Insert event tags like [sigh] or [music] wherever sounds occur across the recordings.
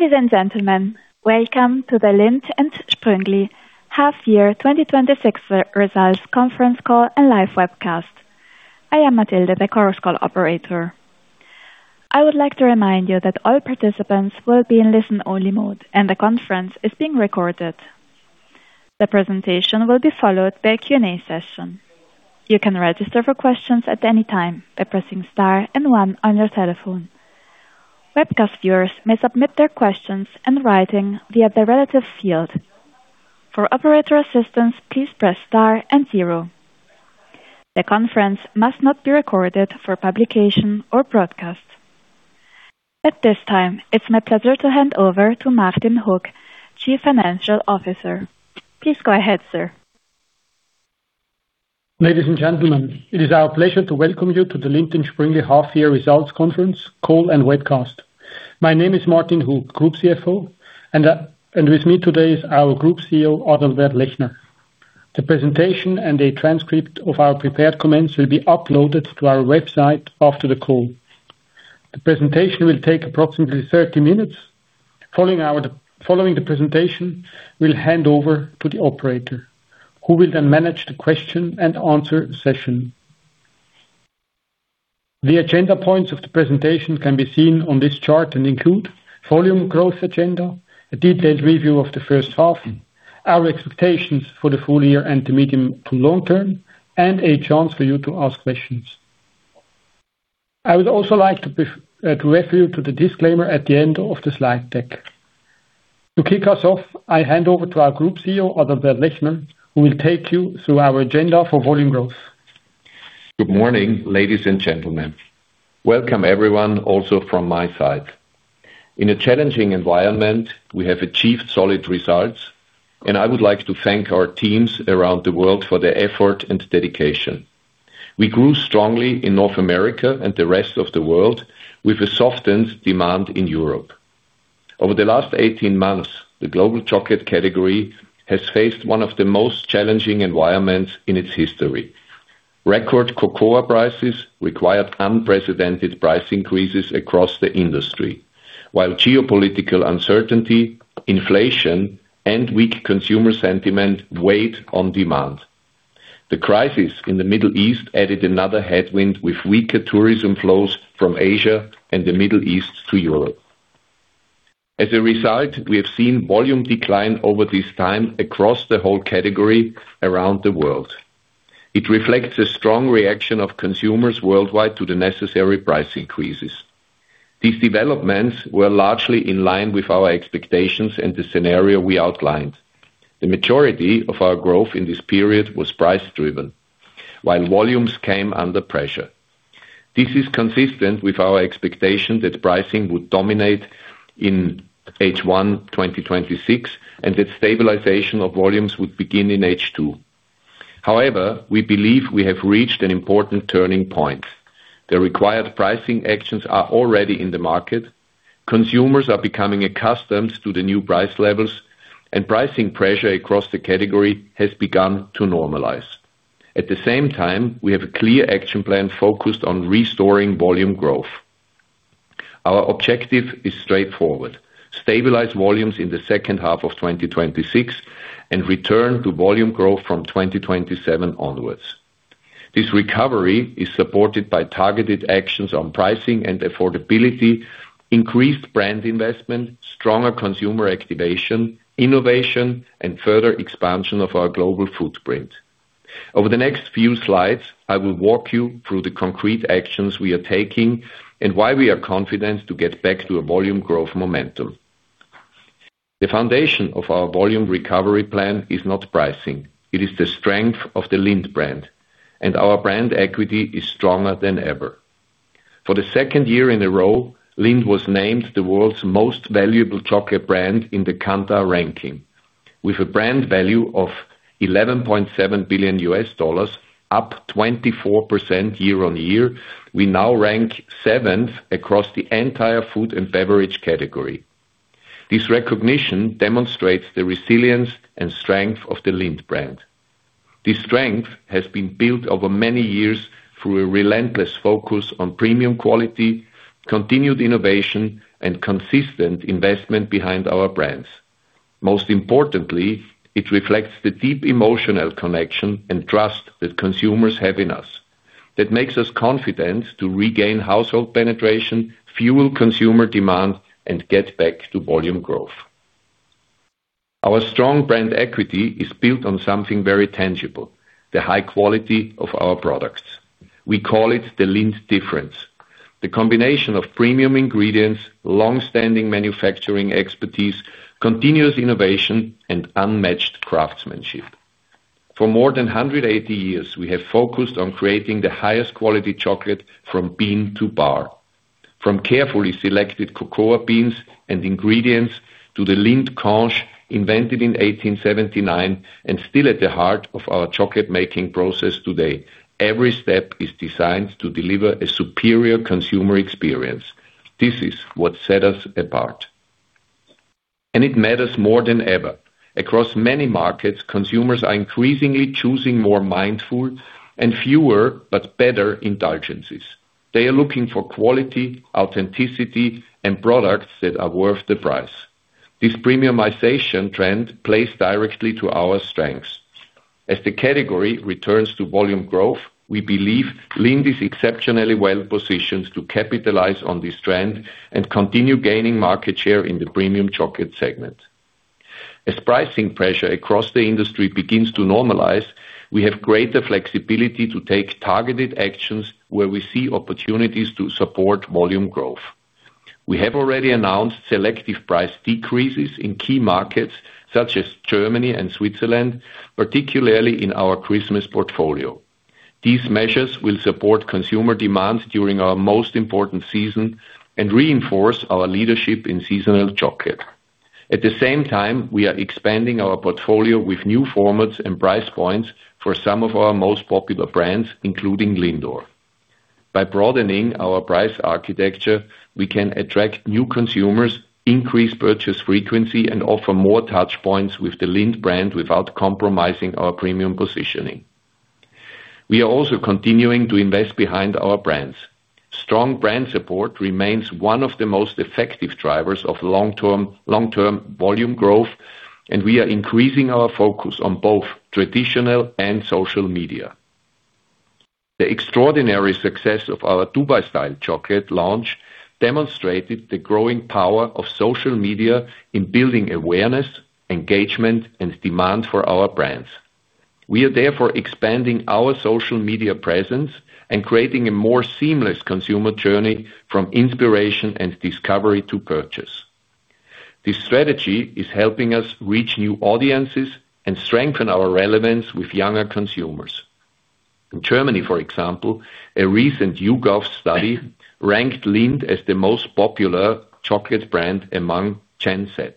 Ladies and gentlemen, welcome to the Lindt & Sprüngli half year 2026 results conference call and live webcast. I am Matilde, the Chorus Call operator. I would like to remind you that all participants will be in listen-only mode, and the conference is being recorded. The presentation will be followed by a Q&A session. You can register for questions at any time by pressing star and one on your telephone. Webcast viewers may submit their questions in writing via the relative field. For operator assistance, please press star and zero. The conference must not be recorded for publication or broadcast. At this time, it's my pleasure to hand over to Martin Hug, Chief Financial Officer. Please go ahead, sir. Ladies and gentlemen, it is our pleasure to welcome you to the Lindt & Sprüngli half year results conference call and webcast. My name is Martin Hug, Group CFO, and with me today is our Group CEO, Adalbert Lechner. The presentation and a transcript of our prepared comments will be uploaded to our website after the call. The presentation will take approximately 30 minutes. Following the presentation, we'll hand over to the operator, who will then manage the question and answer session. The agenda points of the presentation can be seen on this chart and include volume growth agenda, a detailed review of the first half, and our expectations for the full year and the medium to long term, and a chance for you to ask questions. I would also like to refer you to the disclaimer at the end of the slide deck. To kick us off, I hand over to our Group CEO, Adalbert Lechner, who will take you through our agenda for volume growth. Good morning, ladies and gentlemen. Welcome everyone, also from my side. In a challenging environment, we have achieved solid results, and I would like to thank our teams around the world for their effort and dedication. We grew strongly in North America and the rest of the world with a softened demand in Europe. Over the last 18 months, the global chocolate category has faced one of the most challenging environments in its history. Record cocoa prices required unprecedented price increases across the industry, while geopolitical uncertainty, inflation, and weak consumer sentiment weighed on demand. The crisis in the Middle East added another headwind, with weaker tourism flows from Asia and the Middle East to Europe. As a result, we have seen volume decline over this time across the whole category around the world. It reflects a strong reaction of consumers worldwide to the necessary price increases. These developments were largely in line with our expectations and the scenario we outlined. The majority of our growth in this period was price-driven while volumes came under pressure. This is consistent with our expectation that pricing would dominate in H1 2026 and that stabilization of volumes would begin in H2. We believe we have reached an important turning point. The required pricing actions are already in the market. Consumers are becoming accustomed to the new price levels, and pricing pressure across the category has begun to normalize. We have a clear action plan focused on restoring volume growth. Our objective is straightforward: stabilize volumes in the second half of 2026 and return to volume growth from 2027 onwards. This recovery is supported by targeted actions on pricing and affordability, increased brand investment, stronger consumer activation, innovation, and further expansion of our global footprint. Over the next few slides, I will walk you through the concrete actions we are taking and why we are confident to get back to a volume growth momentum. The foundation of our volume recovery plan is not pricing. It is the strength of the Lindt brand, and our brand equity is stronger than ever. For the second year in a row, Lindt was named the world's most valuable chocolate brand in the Kantar ranking. With a brand value of $11.7 billion, up 24% year-on-year, we now rank seventh across the entire food and beverage category. This recognition demonstrates the resilience and strength of the Lindt brand. This strength has been built over many years through a relentless focus on premium quality, continued innovation, and consistent investment behind our brands. Most importantly, it reflects the deep emotional connection and trust that consumers have in us. That makes us confident to regain household penetration, fuel consumer demand, and get back to volume growth. Our strong brand equity is built on something very tangible, the high quality of our products. We call it the Lindt difference. The combination of premium ingredients, long-standing manufacturing expertise, continuous innovation, and unmatched craftsmanship. For more than 180 years, we have focused on creating the highest quality chocolate from bean to bar. From carefully selected cocoa beans and ingredients to the Lindt conch, invented in 1879 and still at the heart of our chocolate-making process today. Every step is designed to deliver a superior consumer experience. This is what sets us apart. It matters more than ever. Across many markets, consumers are increasingly choosing more mindful and fewer, but better indulgences. They are looking for quality, authenticity, and products that are worth the price. This premiumization trend plays directly to our strengths. As the category returns to volume growth, we believe Lindt is exceptionally well-positioned to capitalize on this trend and continue gaining market share in the premium chocolate segment. As pricing pressure across the industry begins to normalize, we have greater flexibility to take targeted actions where we see opportunities to support volume growth. We have already announced selective price decreases in key markets such as Germany and Switzerland, particularly in our Christmas portfolio. These measures will support consumer demand during our most important season and reinforce our leadership in seasonal chocolate. We are expanding our portfolio with new formats and price points for some of our most popular brands, including Lindor. By broadening our price architecture, we can attract new consumers, increase purchase frequency, and offer more touch points with the Lindt brand without compromising our premium positioning. We are also continuing to invest behind our brands. Strong brand support remains one of the most effective drivers of long-term volume growth, and we are increasing our focus on both traditional and social media. The extraordinary success of our Dubai Style Chocolate launch demonstrated the growing power of social media in building awareness, engagement, and demand for our brands. We are therefore expanding our social media presence and creating a more seamless consumer journey from inspiration and discovery to purchase. This strategy is helping us reach new audiences and strengthen our relevance with younger consumers. In Germany, for example, a recent YouGov study ranked Lindt as the most popular chocolate brand among Gen Z.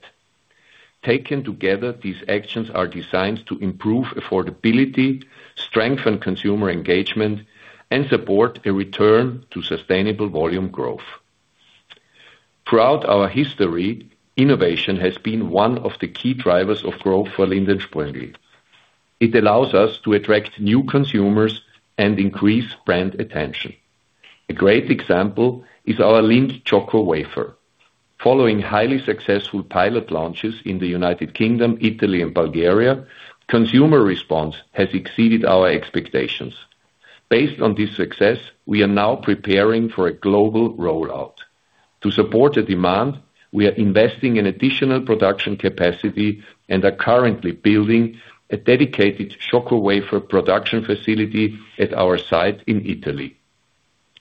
Taken together, these actions are designed to improve affordability, strengthen consumer engagement, and support a return to sustainable volume growth. Throughout our history, innovation has been one of the key drivers of growth for Lindt & Sprüngli. It allows us to attract new consumers and increase brand attention. A great example is our Lindt Choco Wafer. Following highly successful pilot launches in the United Kingdom, Italy, and Bulgaria, consumer response has exceeded our expectations. Based on this success, we are now preparing for a global rollout. To support the demand, we are investing in additional production capacity and are currently building a dedicated Choco Wafer production facility at our site in Italy.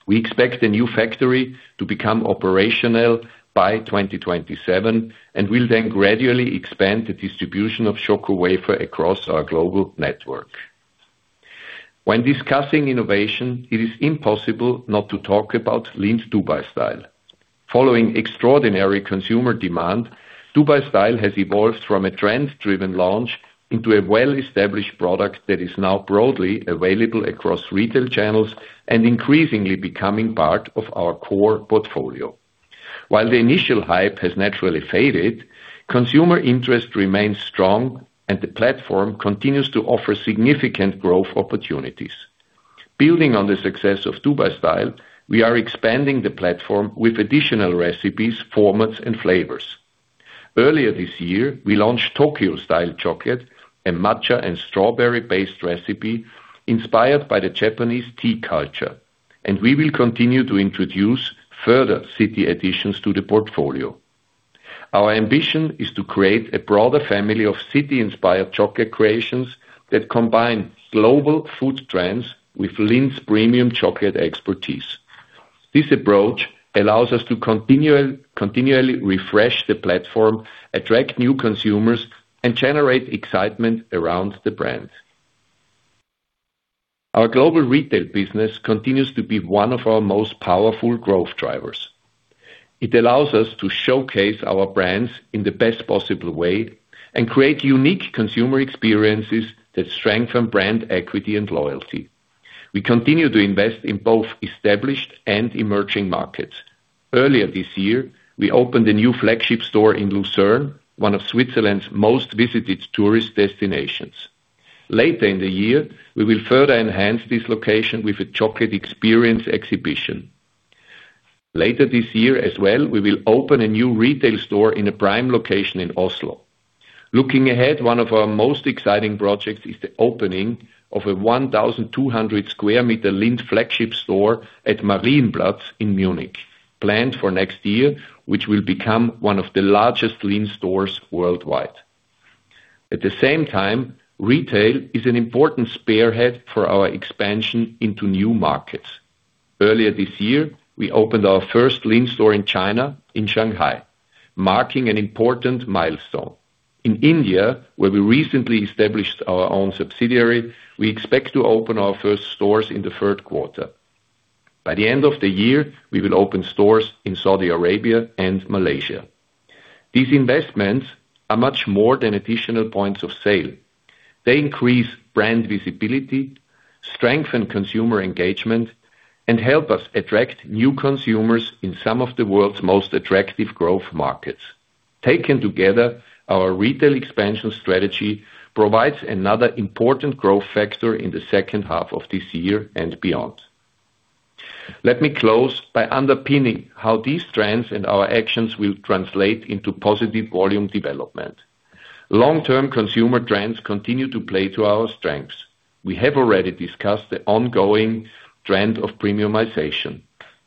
We expect the new factory to become operational by 2027 and will then gradually expand the distribution of Choco Wafer across our global network. When discussing innovation, it is impossible not to talk about Lindt Dubai Style. Following extraordinary consumer demand, Dubai Style has evolved from a trend-driven launch into a well-established product that is now broadly available across retail channels and increasingly becoming part of our core portfolio. While the initial hype has naturally faded, consumer interest remains strong, and the platform continues to offer significant growth opportunities. Building on the success of Dubai Style, we are expanding the platform with additional recipes, formats, and flavors. Earlier this year, we launched Tokyo-Style Chocolate, a matcha and strawberry-based recipe inspired by the Japanese tea culture. We will continue to introduce further city additions to the portfolio. Our ambition is to create a broader family of city-inspired chocolate creations that combine global food trends with Lindt's premium chocolate expertise. This approach allows us to continually refresh the platform, attract new consumers, and generate excitement around the brand. Our Global Retail business continues to be one of our most powerful growth drivers. It allows us to showcase our brands in the best possible way and create unique consumer experiences that strengthen brand equity and loyalty. We continue to invest in both established and emerging markets. Earlier this year, we opened a new flagship store in Lucerne, one of Switzerland's most visited tourist destinations. Later in the year, we will further enhance this location with a chocolate experience exhibition. Later this year as well, we will open a new retail store in a prime location in Oslo. Looking ahead, one of our most exciting projects is the opening of a 1,200 sq m Lindt flagship store at Marienplatz in Munich, planned for next year, which will become one of the largest Lindt stores worldwide. At the same time, retail is an important spearhead for our expansion into new markets. Earlier this year, we opened our first Lindt store in China in Shanghai, marking an important milestone. In India, where we recently established our own subsidiary, we expect to open our first stores in the third quarter. By the end of the year, we will open stores in Saudi Arabia and Malaysia. These investments are much more than additional points of sale. They increase brand visibility, strengthen consumer engagement, and help us attract new consumers in some of the world's most attractive growth markets. Taken together, our retail expansion strategy provides another important growth factor in the second half of this year and beyond. Let me close by underpinning how these trends and our actions will translate into positive volume development. Long-term consumer trends continue to play to our strengths. We have already discussed the ongoing trend of premiumization.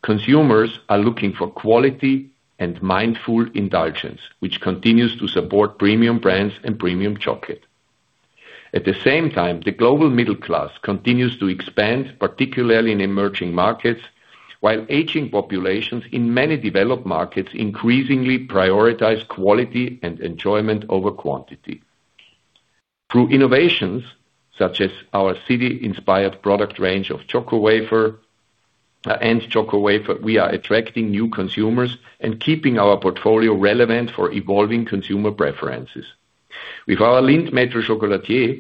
Consumers are looking for quality and mindful indulgence, which continues to support premium brands and premium chocolate. At the same time, the global middle class continues to expand, particularly in emerging markets, while aging populations in many developed markets increasingly prioritize quality and enjoyment over quantity. Through innovations such as our city-inspired product range of Choco Wafer and Choco Wafer, we are attracting new consumers and keeping our portfolio relevant for evolving consumer preferences. With our Lindt Maître Chocolatier,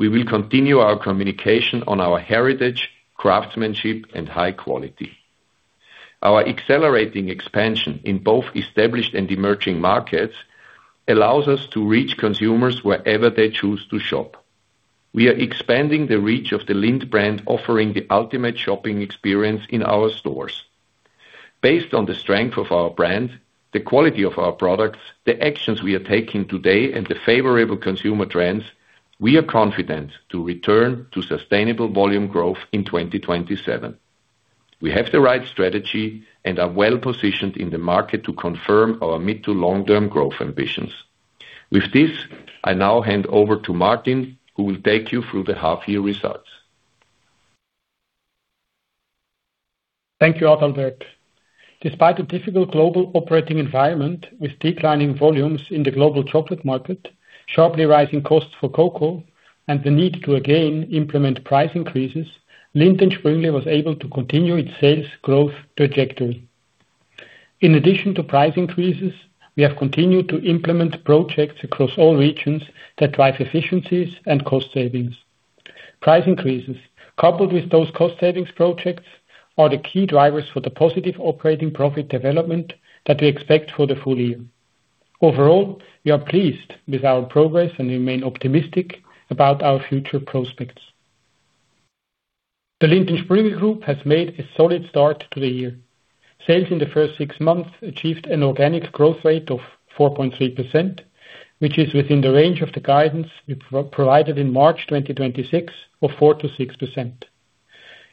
we will continue our communication on our heritage, craftsmanship, and high quality. Our accelerating expansion in both established and emerging markets allows us to reach consumers wherever they choose to shop. We are expanding the reach of the Lindt brand, offering the ultimate shopping experience in our stores. Based on the strength of our brand, the quality of our products, the actions we are taking today, and the favorable consumer trends, we are confident to return to sustainable volume growth in 2027. We have the right strategy and are well-positioned in the market to confirm our mid to long-term growth ambitions. With this, I now hand over to Martin, who will take you through the half year results. Thank you, Adalbert. Despite a difficult global operating environment with declining volumes in the global chocolate market, sharply rising costs for cocoa, and the need to again implement price increases, Lindt & Sprüngli was able to continue its sales growth trajectory. In addition to price increases, we have continued to implement projects across all regions that drive efficiencies and cost savings. Price increases, coupled with those cost savings projects, are the key drivers for the positive operating profit development that we expect for the full year. Overall, we are pleased with our progress and remain optimistic about our future prospects. The Lindt & Sprüngli group has made a solid start to the year. Sales in the first six months achieved an organic growth rate of 4.3%, which is within the range of the guidance we provided in March 2026 of 4%-6%.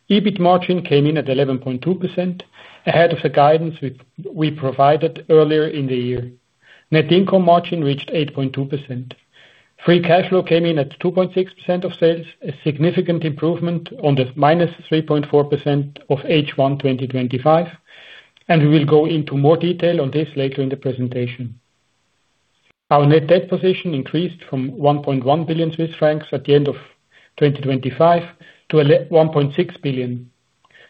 EBIT margin came in at 11.2%, ahead of the guidance we provided earlier in the year. Net income margin reached 8.2%. Free cash flow came in at 2.6% of sales, a significant improvement on the -3.4% of H1 2025, and we will go into more detail on this later in the presentation. Our net debt position increased from 1.1 billion Swiss francs at the end of 2025 to 1.6 billion.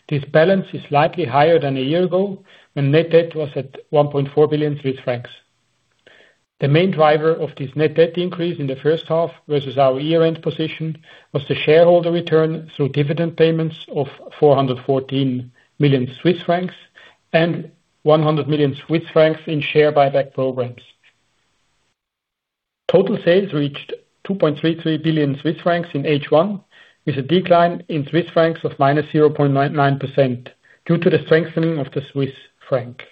This balance is slightly higher than a year ago when net debt was at 1.4 billion Swiss francs. The main driver of this net debt increase in the first half versus our year-end position was the shareholder return through dividend payments of 414 million Swiss francs and 100 million Swiss francs in share buyback programs. Total sales reached 2.33 billion Swiss francs in H1, with a decline in Swiss francs of -0.99% due to the strengthening of the Swiss franc.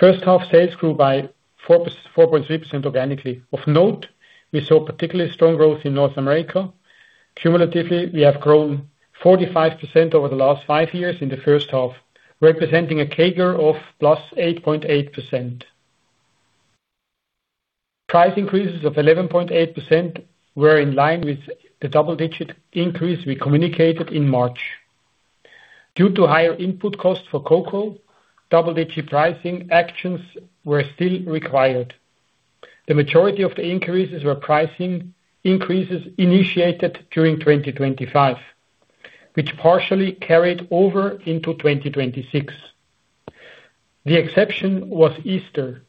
First half sales grew by 4.3% organically. Of note, we saw particularly strong growth in North America. Cumulatively, we have grown 45% over the last five years in the first half, representing a CAGR of +8.8%. Price increases of 11.8% were in line with the double-digit increase we communicated in March. Due to higher input costs for cocoa, double-digit pricing actions were still required. The majority of the increases were pricing increases initiated during 2025, which partially carried over into 2026. The exception was Easter,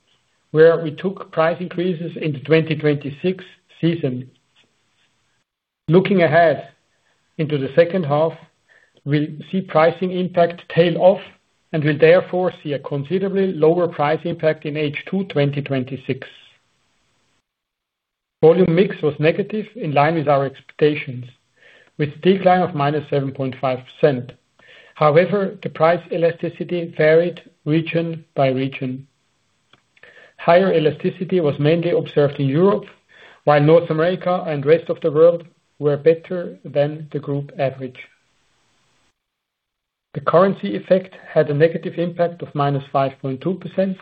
where we took price increases in the 2026 season. Looking ahead into the second half, we'll see pricing impact tail off and will therefore see a considerably lower price impact in H2 2026. Volume mix was negative, in line with our expectations, with a decline of -7.5%. However, the price elasticity varied region by region. Higher elasticity was mainly observed in Europe, while North America and rest of the world were better than the group average. The currency effect had a negative impact of -5.2%,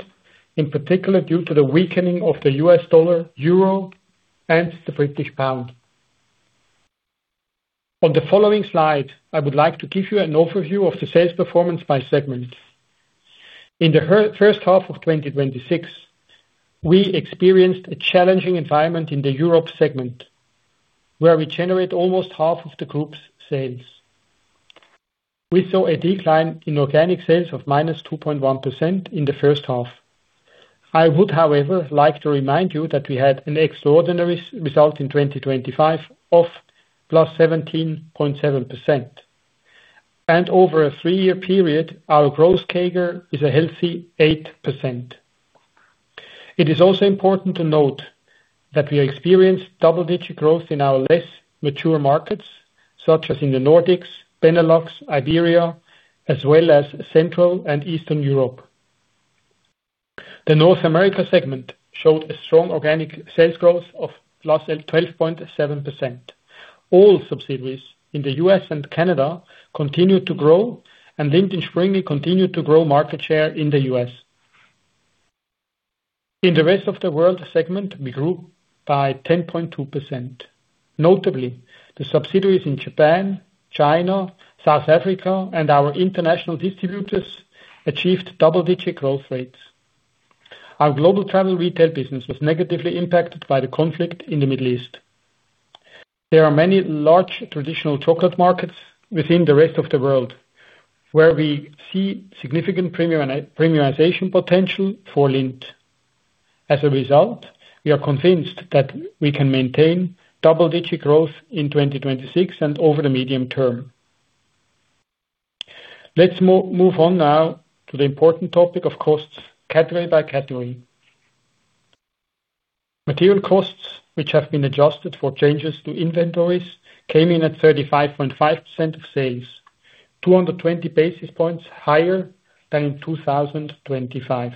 in particular due to the weakening of the U.S. dollar, euro, and the British pound. On the following slide, I would like to give you an overview of the sales performance by segment. In the first half of 2026, we experienced a challenging environment in the Europe segment, where we generate almost half of the group's sales. We saw a decline in organic sales of -2.1% in the first half. I would, however, like to remind you that we had an extraordinary result in 2025 of +17.7%. Over a three-year period, our growth CAGR is a healthy 8%. It is also important to note that we experienced double-digit growth in our less mature markets, such as in the Nordics, Benelux, Iberia, as well as Central and Eastern Europe. The North America segment showed a strong organic sales growth of +12.7%. All subsidiaries in the U.S. and Canada continued to grow, and Lindt & Sprüngli continued to grow market share in the U.S. In the Rest of the World segment, we grew by 10.2%. Notably, the subsidiaries in Japan, China, South Africa, and our international distributors achieved double-digit growth rates. Our Global Retail business was negatively impacted by the conflict in the Middle East. There are many large traditional chocolate markets within the rest of the world, where we see significant premiumization potential for Lindt. As a result, we are convinced that we can maintain double-digit growth in 2026 and over the medium term. Let's move on now to the important topic of costs, category by category. Material costs, which have been adjusted for changes to inventories, came in at 35.5% of sales, 220 basis points higher than in 2025.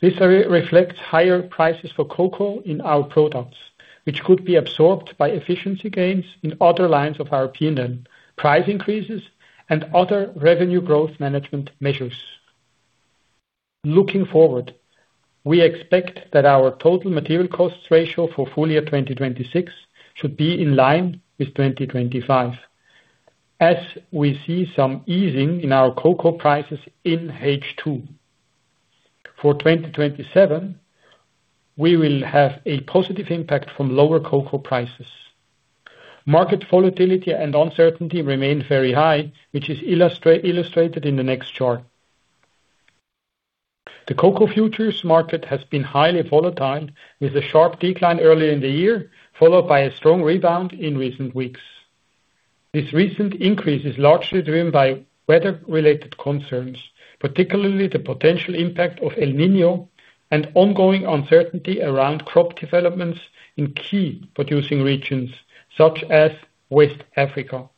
This reflects higher prices for cocoa in our products, which could be absorbed by efficiency gains in other lines of our P&L, price increases, and other revenue growth management measures. Looking forward, we expect that our total material cost ratio for full year 2026 should be in line with 2025, as we see some easing in our cocoa prices in H2. For 2027, we will have a positive impact from lower cocoa prices. Market volatility and uncertainty remain very high, which is illustrated in the next chart. The Cocoa Futures market has been highly volatile, with a sharp decline earlier in the year, followed by a strong rebound in recent weeks. This recent increase is largely driven by weather-related concerns, particularly the potential impact of El Niño and ongoing uncertainty around crop developments in key producing regions such as West Africa.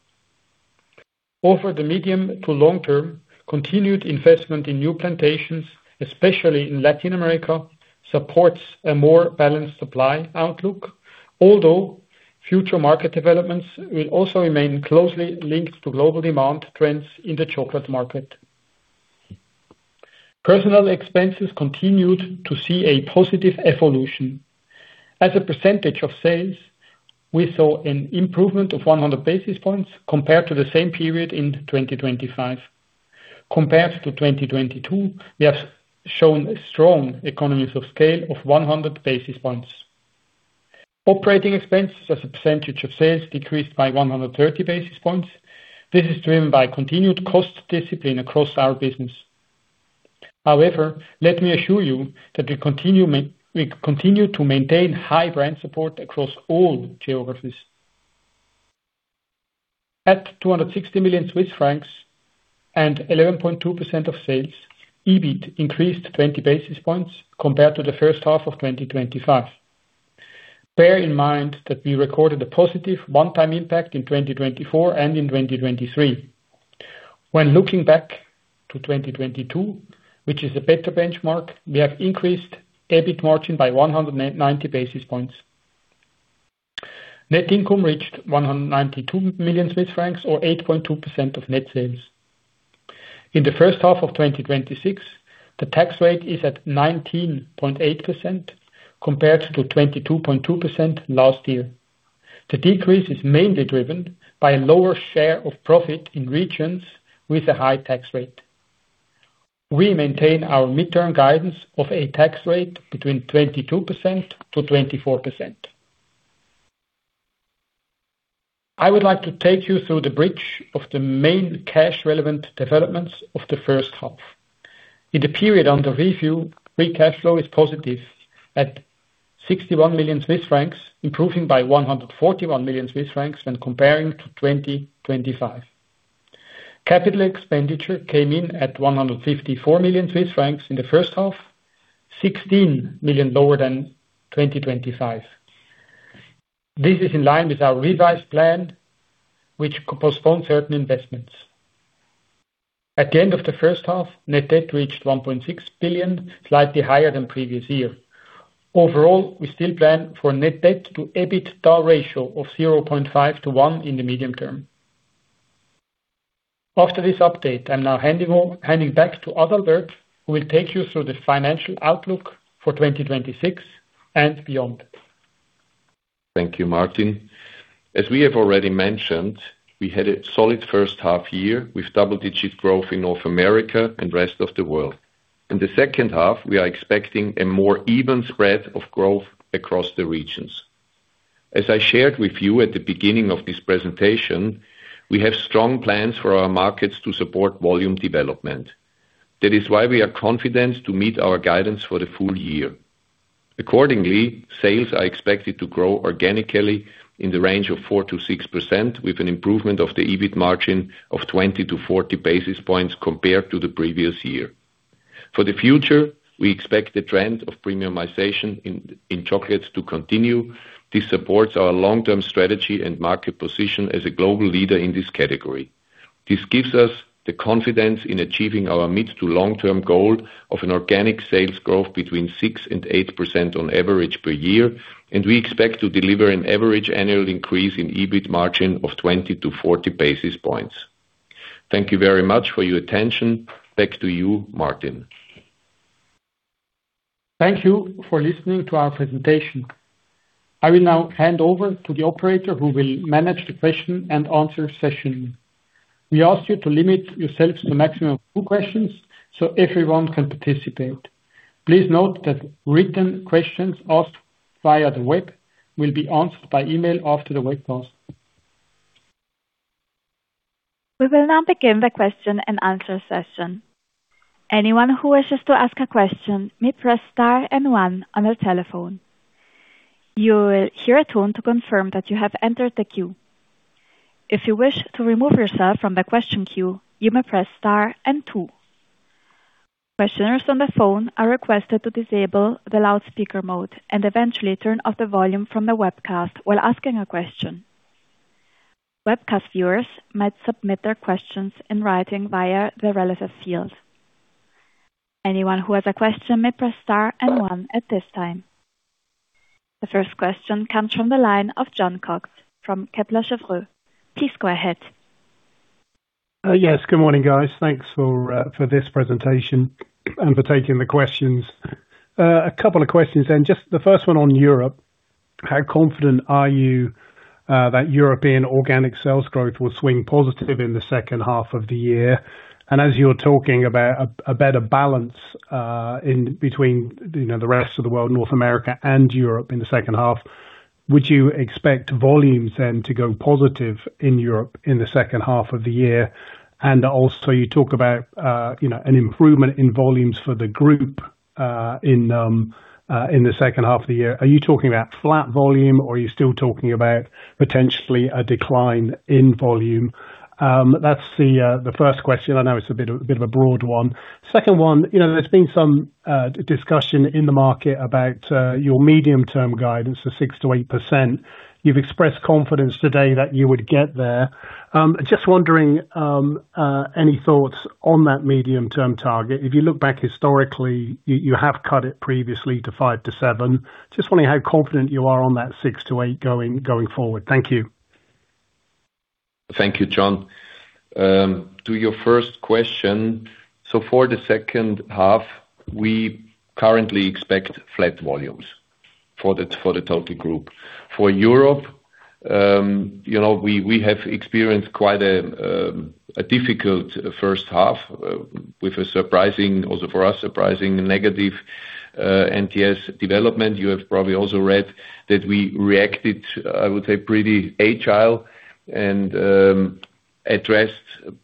Over the medium to long term, continued investment in new plantations, especially in Latin America, supports a more balanced supply outlook, although future market developments will also remain closely linked to global demand trends in the chocolate market. Personnel expenses continued to see a positive evolution. As a percentage of sales, we saw an improvement of 100 basis points compared to the same period in 2025. Compared to 2022, we have shown strong economies of scale of 100 basis points. Operating expenses as a percentage of sales decreased by 130 basis points. This is driven by continued cost discipline across our business. However, let me assure you that we continue to maintain high brand support across all geographies. At 260 million Swiss francs and 11.2% of sales, EBIT increased 20 basis points compared to the first half of 2025. Bear in mind that we recorded a positive one-time impact in 2024 and in 2023. When looking back to 2022, which is a better benchmark, we have increased EBIT margin by 190 basis points. Net income reached 192 million Swiss francs, or 8.2% of net sales. In the first half of 2026, the tax rate is at 19.8% compared to 22.2% last year. The decrease is mainly driven by a lower share of profit in regions with a high tax rate. We maintain our midterm guidance of a tax rate between 22%-24%. I would like to take you through the bridge of the main cash-relevant developments of the first half. In the period under review, free cash flow is positive at 61 million Swiss francs, improving by 141 million Swiss francs when comparing to 2025. Capital expenditure came in at 154 million Swiss francs in the first half, 16 million lower than 2025. This is in line with our revised plan, which postponed certain investments. At the end of the first half, net debt reached 1.6 billion, slightly higher than previous year. Overall, we still plan for EBITDA ratio of 0.5x to 1x in the medium term. After this update, I'm now handing back to Adalbert, who will take you through the financial outlook for 2026 and beyond. Thank you, Martin. As we have already mentioned, we had a solid first half year with double-digit growth in North America and rest of the world. In the second half, we are expecting a more even spread of growth across the regions. As I shared with you at the beginning of this presentation, we have strong plans for our markets to support volume development. That is why we are confident to meet our guidance for the full year. Accordingly, sales are expected to grow organically in the range of 4%-6%, with an improvement of the EBIT margin of 20 basis points-40 basis points compared to the previous year. For the future, we expect the trend of premiumization in chocolates to continue. This supports our long-term strategy and market position as a global leader in this category. This gives us the confidence in achieving our mid to long-term goal of an organic sales growth between 6% and 8% on average per year, and we expect to deliver an average annual increase in EBIT margin of 20 basis points-40 basis points. Thank you very much for your attention. Back to you, Martin. Thank you for listening to our presentation. I will now hand over to the operator who will manage the question and answer session. We ask you to limit yourselves to a maximum of two questions so everyone can participate. Please note that written questions asked via the web will be answered by email after the webcast. We will now begin the question and answer session. Anyone who wishes to ask a question, may press star and one on your telephone. You will hear a tone to confirm that you have entered the queue. If you wish to remove yourself from the question queue, you may press star and two. Questioners on the phone are requested to disable the loudspeaker mode and eventually turn off the volume from the webcast while asking a question. Webcast viewers might submit their questions in writing via the relevant field. Anyone who has a question may press star and one at this time. The first question comes from the line of Jon Cox from Kepler Cheuvreux. Yes. Good morning, guys. Thanks for this presentation and for taking the questions. A couple of questions. Just the first one on Europe. How confident are you that European organic sales growth will swing positive in the second half of the year? As you're talking about a better balance between the rest of the world, North America and Europe in the second half, would you expect volumes then to go positive in Europe in the second half of the year? Also, you talk about an improvement in volumes for the group in the second half of the year. Are you talking about flat volume or are you still talking about potentially a decline in volume? That's the first question. I know it's a bit of a broad one. Second one, there's been some discussion in the market about your medium-term guidance of 6%-8%. You've expressed confidence today that you would get there. Just wondering, any thoughts on that medium-term target? If you look back historically, you have cut it previously to 5%-7%. Just wondering how confident you are on that 6%-8% going forward. Thank you. Thank you, Jon. To your first question, for the second half, we currently expect flat volumes for the total group. For Europe, we have experienced quite a difficult first half with a surprising, also for us, surprising negative NTS development. You have probably also read that we reacted, I would say, pretty agile and addressed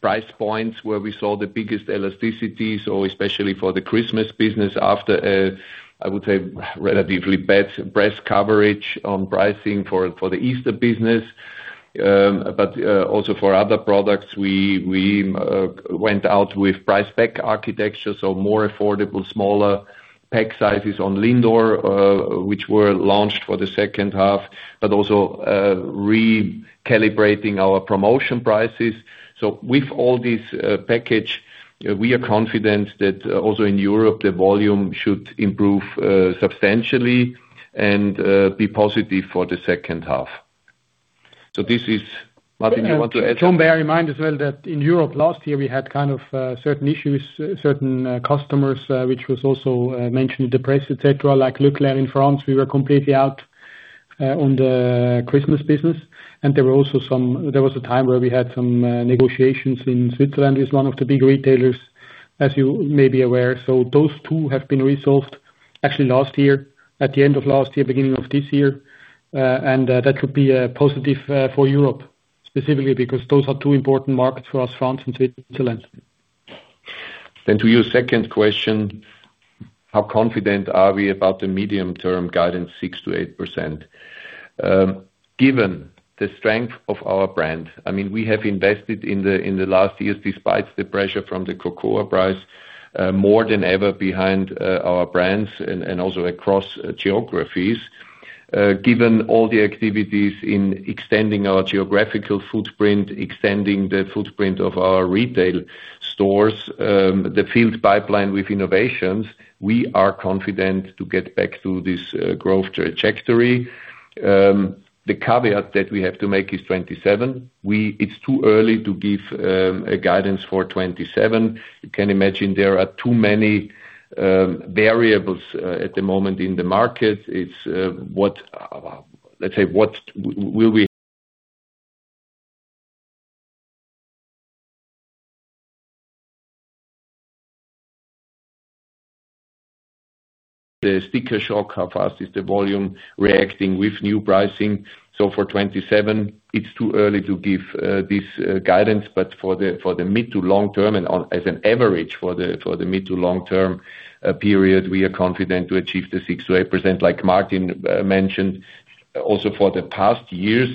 price points where we saw the biggest elasticities, or especially for the Christmas business after, I would say, relatively bad press coverage on pricing for the Easter business. Also for other products, we went out with price pack architecture, so more affordable, smaller pack sizes on Lindor, which were launched for the second half, but also recalibrating our promotion prices. With all this package, we are confident that also in Europe, the volume should improve substantially and be positive for the second half. This is-- Martin, you want to add? Jon, bear in mind as well that in Europe last year, we had certain issues, certain customers, which was also mentioned in the press, et cetera, like E.Leclerc in France. We were completely out on the Christmas business. There was a time where we had some negotiations in Switzerland with one of the big retailers, as you may be aware. Those two have been resolved actually last year, at the end of last year, beginning of this year. That could be a positive for Europe specifically because those are two important markets for us, France and Switzerland. To your second question, how confident are we about the medium-term guidance, 6%-8%? Given the strength of our brand, we have invested in the last years, despite the pressure from the cocoa price, more than ever behind our brands and also across geographies. Given all the activities in extending our geographical footprint, extending the footprint of our retail stores, the field pipeline with innovations, we are confident to get back to this growth trajectory. The caveat that we have to make is 2027. It's too early to give a guidance for 2027. You can imagine there are too many variables at the moment in the market. Let's say, The sticker shock, how fast is the volume reacting with new pricing? For 2027, it's too early to give this guidance, but for the mid to long-term and as an average for the mid to long-term period, we are confident to achieve the 6%-8%, like Martin mentioned. Also for the past years,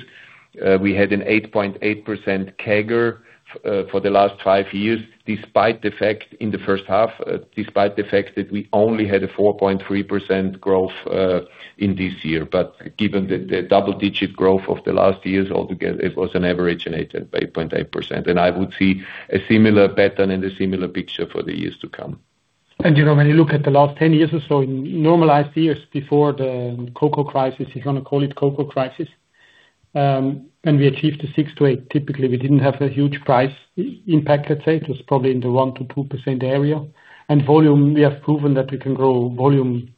we had an 8.8% CAGR for the last five years, in the first half, despite the fact that we only had a 4.3% growth in this year. Given the double-digit growth of the last years, altogether it was an average of 8.8%. I would see a similar pattern and a similar picture for the years to come. When you look at the last 10 years or so in normalized years before the cocoa crisis, if you want to call it cocoa crisis, we achieved the 6%-8%, typically we didn't have a huge price impact, let's say. It was probably in the 1%-2% area. Volume, we have proven that we can grow volume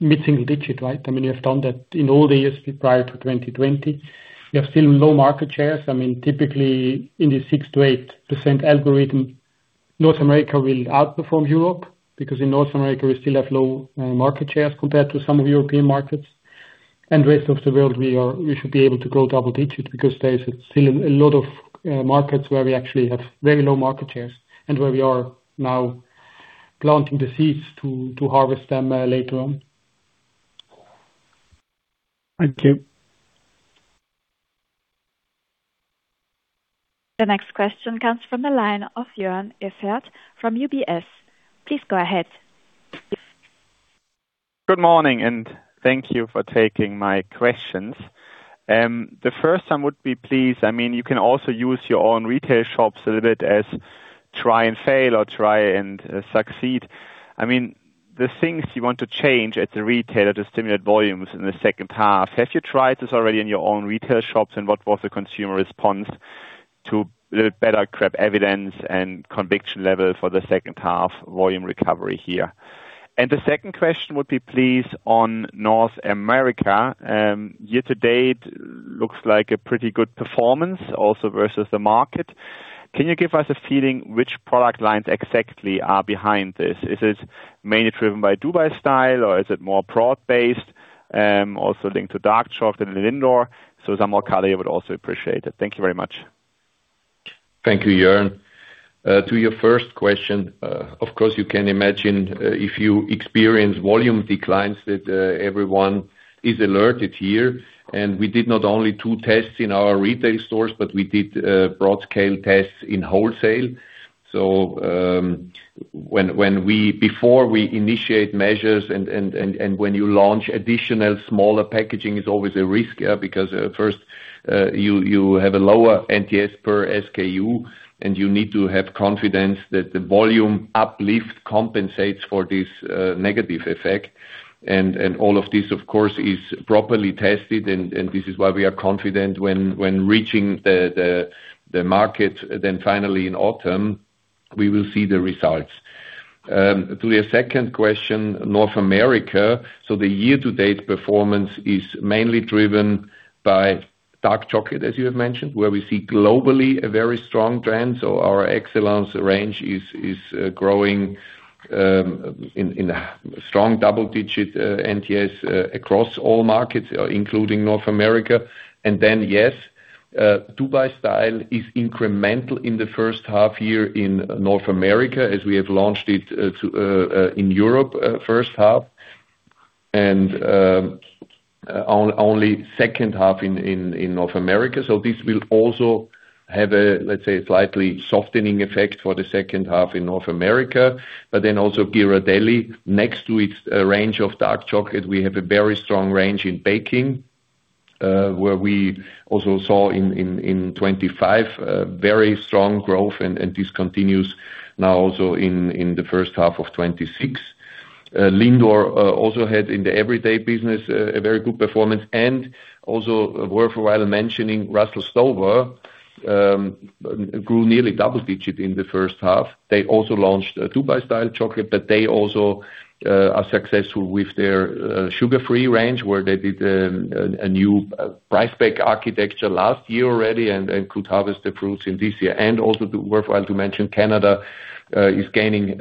mid-single digit, right? We have done that in all the years prior to 2020. We have still low market shares. Typically in the 6%-8% algorithm, North America will outperform Europe because in North America we still have low market shares compared to some of the European markets. Rest of the world, we should be able to grow double digits because there is still a lot of markets where we actually have very low market shares and where we are now planting the seeds to harvest them later on. Thank you. The next question comes from the line of Joern Iffert from UBS. Please go ahead. Good morning. Thank you for taking my questions. The first one would be, please, you can also use your own retail shops a little bit as try and fail or try and succeed. The things you want to change at the retailer to stimulate volumes in the second half, have you tried this already in your own retail shops and what was the consumer response to a little better grab evidence and conviction level for the second half volume recovery here? The second question would be, please, on North America. Year to date looks like a pretty good performance also versus the market. Can you give us a feeling which product lines exactly are behind this? Is it mainly driven by Dubai Style or is it more broad-based, also linked to dark chocolate and Lindor? Some more color I would also appreciate it. Thank you very much. Thank you, Joern. To your first question, of course you can imagine if you experience volume declines that everyone is alerted here. We did not only two tests in our retail stores, but we did broad scale tests in wholesale. Before we initiate measures and when you launch additional smaller packaging is always a risk because first, you have a lower NTS per SKU and you need to have confidence that the volume uplift compensates for this negative effect. All of this, of course, is properly tested and this is why we are confident when reaching the market then finally in autumn, we will see the results. To your second question, North America. The year to date performance is mainly driven by dark chocolate, as you have mentioned, where we see globally a very strong trend. Our Excellence range is growing in a strong double-digit NTS across all markets, including North America. Yes, Dubai Style is incremental in the first half here in North America as we have launched it in Europe first half and only second half in North America. This will also have a, let's say, slightly softening effect for the second half in North America, but then also Ghirardelli. Next to its range of dark chocolate, we have a very strong range in baking, where we also saw in 2025 very strong growth and this continues now also in the first half of 2026. Lindor also had in the everyday business a very good performance and also worthwhile mentioning Russell Stover grew nearly double-digit in the first half. They also launched a Dubai Style Chocolate, they also are successful with their sugar-free range where they did a new price pack architecture last year already and could harvest the fruits in this year. Also worthwhile to mention, Canada is gaining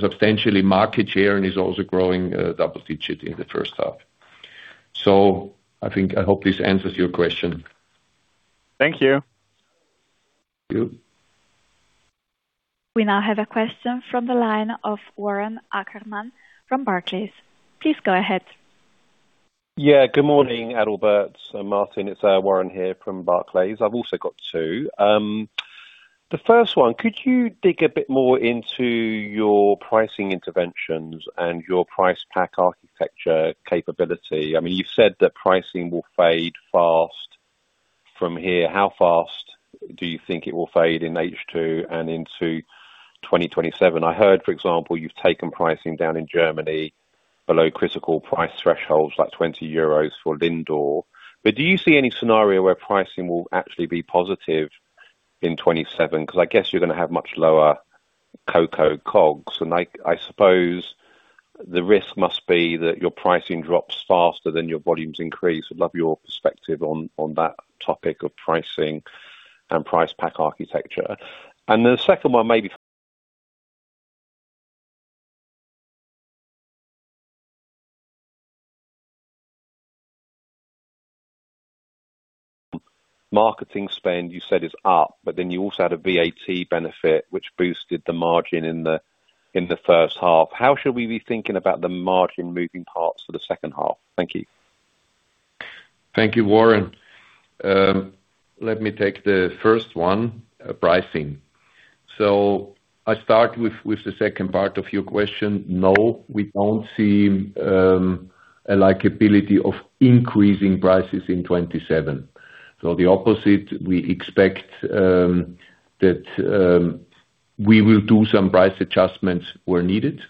substantially market share and is also growing double-digit in the first half. I hope this answers your question. Thank you. Thank you. We now have a question from the line of Warren Ackerman from Barclays. Please go ahead. Yeah. Good morning, Adalbert, Martin. It's Warren here from Barclays. I've also got two. The first one, could you dig a bit more into your pricing interventions and your price pack architecture capability? You said that pricing will fade fast from here. How fast do you think it will fade in H2 and into 2027? I heard, for example, you've taken pricing down in Germany below critical price thresholds like 20 euros for Lindor. Do you see any scenario where pricing will actually be positive in 2027? Because I guess you're going to have much lower cocoa COGS and I suppose the risk must be that your pricing drops faster than your volumes increase. I'd love your perspective on that topic of pricing. Price pack architecture. The second one maybe [audio distortion] marketing spend you said is up, but then you also had a VAT benefit, which boosted the margin in the first half. How should we be thinking about the margin moving parts for the second half? Thank you. Thank you, Warren. Let me take the first one, pricing. I start with the second part of your question. No, we don't see a likability of increasing prices in 2027. The opposite, we expect that we will do some price adjustments where needed,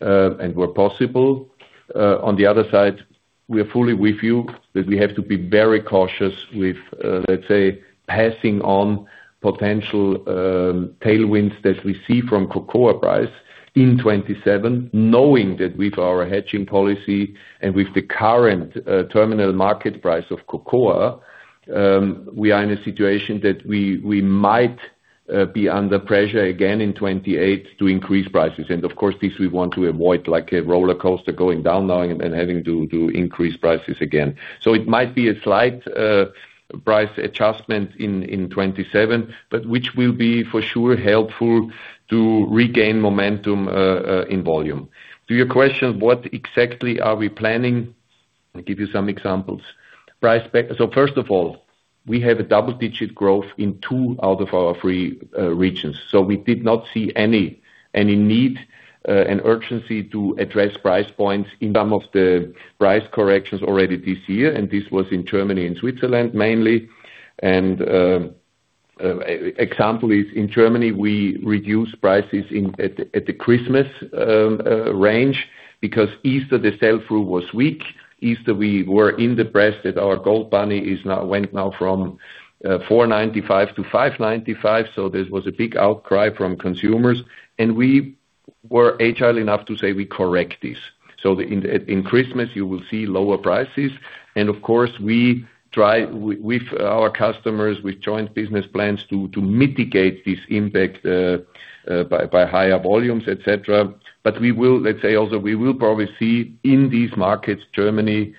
and where possible. On the other side, we are fully with you, that we have to be very cautious with, let's say, passing on potential tailwinds that we see from cocoa price in 2027, knowing that with our hedging policy and with the current terminal market price of cocoa, we are in a situation that we might be under pressure again in 2028 to increase prices. Of course, this we want to avoid like a roller coaster going down now and then having to increase prices again. It might be a slight price adjustment in 2027, which will be for sure helpful to regain momentum in volume. To your question, what exactly are we planning? I will give you some examples. First of all, we have a double-digit growth in two out of our three regions. We did not see any need, an urgency to address price points in some of the price corrections already this year, and this was in Germany and Switzerland mainly. Example is in Germany, we reduced prices at the Christmas range because Easter, the sell through was weak. Easter, we were in the press that our Gold Bunny went now from 4.95 to 5.95, this was a big outcry from consumers. We were agile enough to say we correct this. In Christmas you will see lower prices. Of course, we try with our customers with joint business plans to mitigate this impact by higher volumes, et cetera. We will, let's say also, we will probably see in these markets, Germany,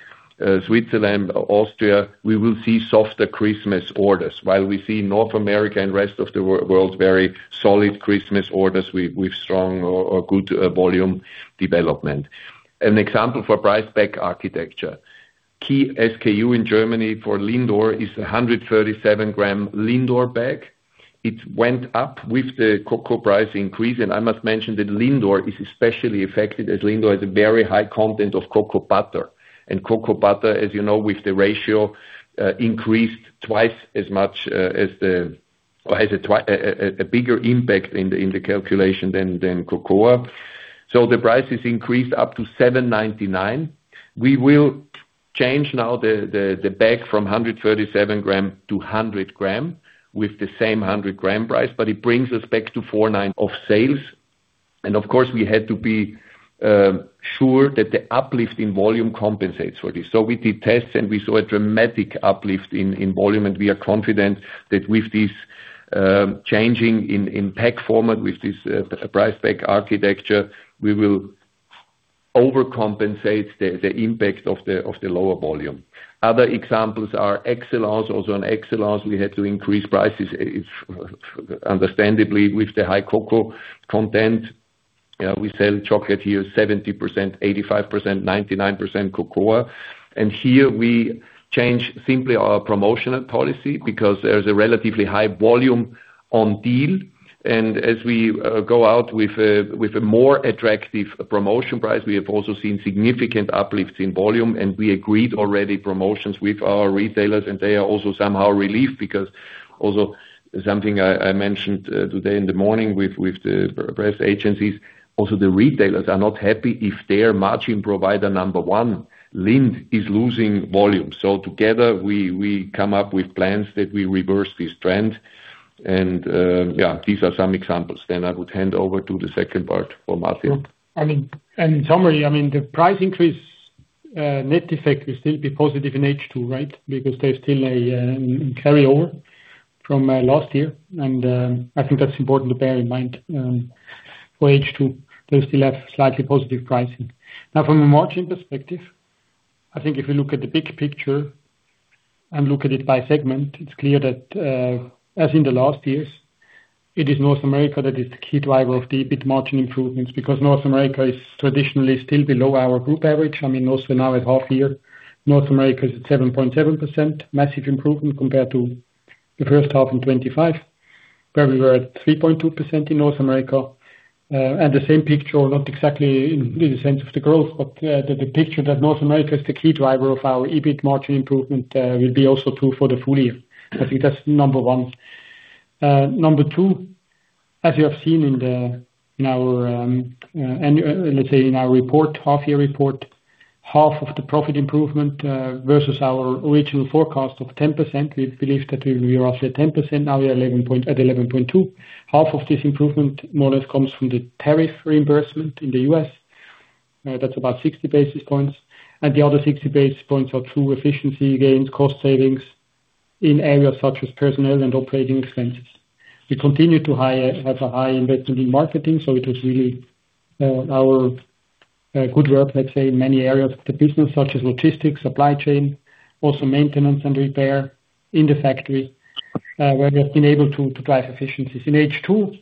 Switzerland, Austria, we will see softer Christmas orders. While we see North America and rest of the world very solid Christmas orders with strong or good volume development. An example for price pack architecture. Key SKU in Germany for Lindor is 137 g Lindor pack. It went up with the cocoa price increase, and I must mention that Lindor is especially affected as Lindor has a very high content of cocoa butter. Cocoa butter, as you know, with the ratio, increased twice as much as or has a bigger impact in the calculation than cocoa. The price is increased up to 7.99. We will change now the pack from 137 g to 100 g with the same 100 g price, but it brings us back to 49% of sales. Of course, we had to be sure that the uplift in volume compensates for this. We did tests and we saw a dramatic uplift in volume, and we are confident that with this changing in pack format, with this price pack architecture, we will overcompensate the impact of the lower volume. Other examples are Excellence. Also, on Excellence, we had to increase prices, understandably, with the high cocoa content. We sell chocolate here 70%, 85%, 99% cocoa. Here we change simply our promotional policy because there is a relatively high volume on deal. As we go out with a more attractive promotion price, we have also seen significant uplifts in volume, and we agreed already promotions with our retailers, and they are also somehow relieved because also something I mentioned today in the morning with the press agencies, also the retailers are not happy if their margin provider, number one, Lindt, is losing volume. Together we come up with plans that we reverse this trend. Yeah, these are some examples. I would hand over to the second part for Martin. In summary, the price increase net effect will still be positive in H2, right? Because there's still a carryover from last year. I think that's important to bear in mind, for H2, they still have slightly positive pricing. From a margin perspective, I think if you look at the big picture and look at it by segment, it's clear that, as in the last years, it is North America that is the key driver of the EBIT margin improvements because North America is traditionally still below our group average. I mean, also now at half year, North America is at 7.7%, massive improvement compared to the first half in 2025, where we were at 3.2% in North America. The same picture, not exactly in the sense of the growth, but the picture that North America is the key driver of our EBIT margin improvement, will be also true for the full year. I think that's number one. Number two, as you have seen in our annual, let's say in our report, half year report, half of the profit improvement, versus our original forecast of 10%, we believe that we will be roughly at 10%. Now we are at 11.2%. Half of this improvement more or less comes from the tariff reimbursement in the U.S. That's about 60 basis points. The other 60 basis points are through efficiency gains, cost savings in areas such as personnel and operating expenses. We continue to have a high investment in marketing, it was really our good work, let's say, in many areas of the business such as logistics, supply chain, also maintenance and repair in the factory, where we have been able to drive efficiencies. In H2,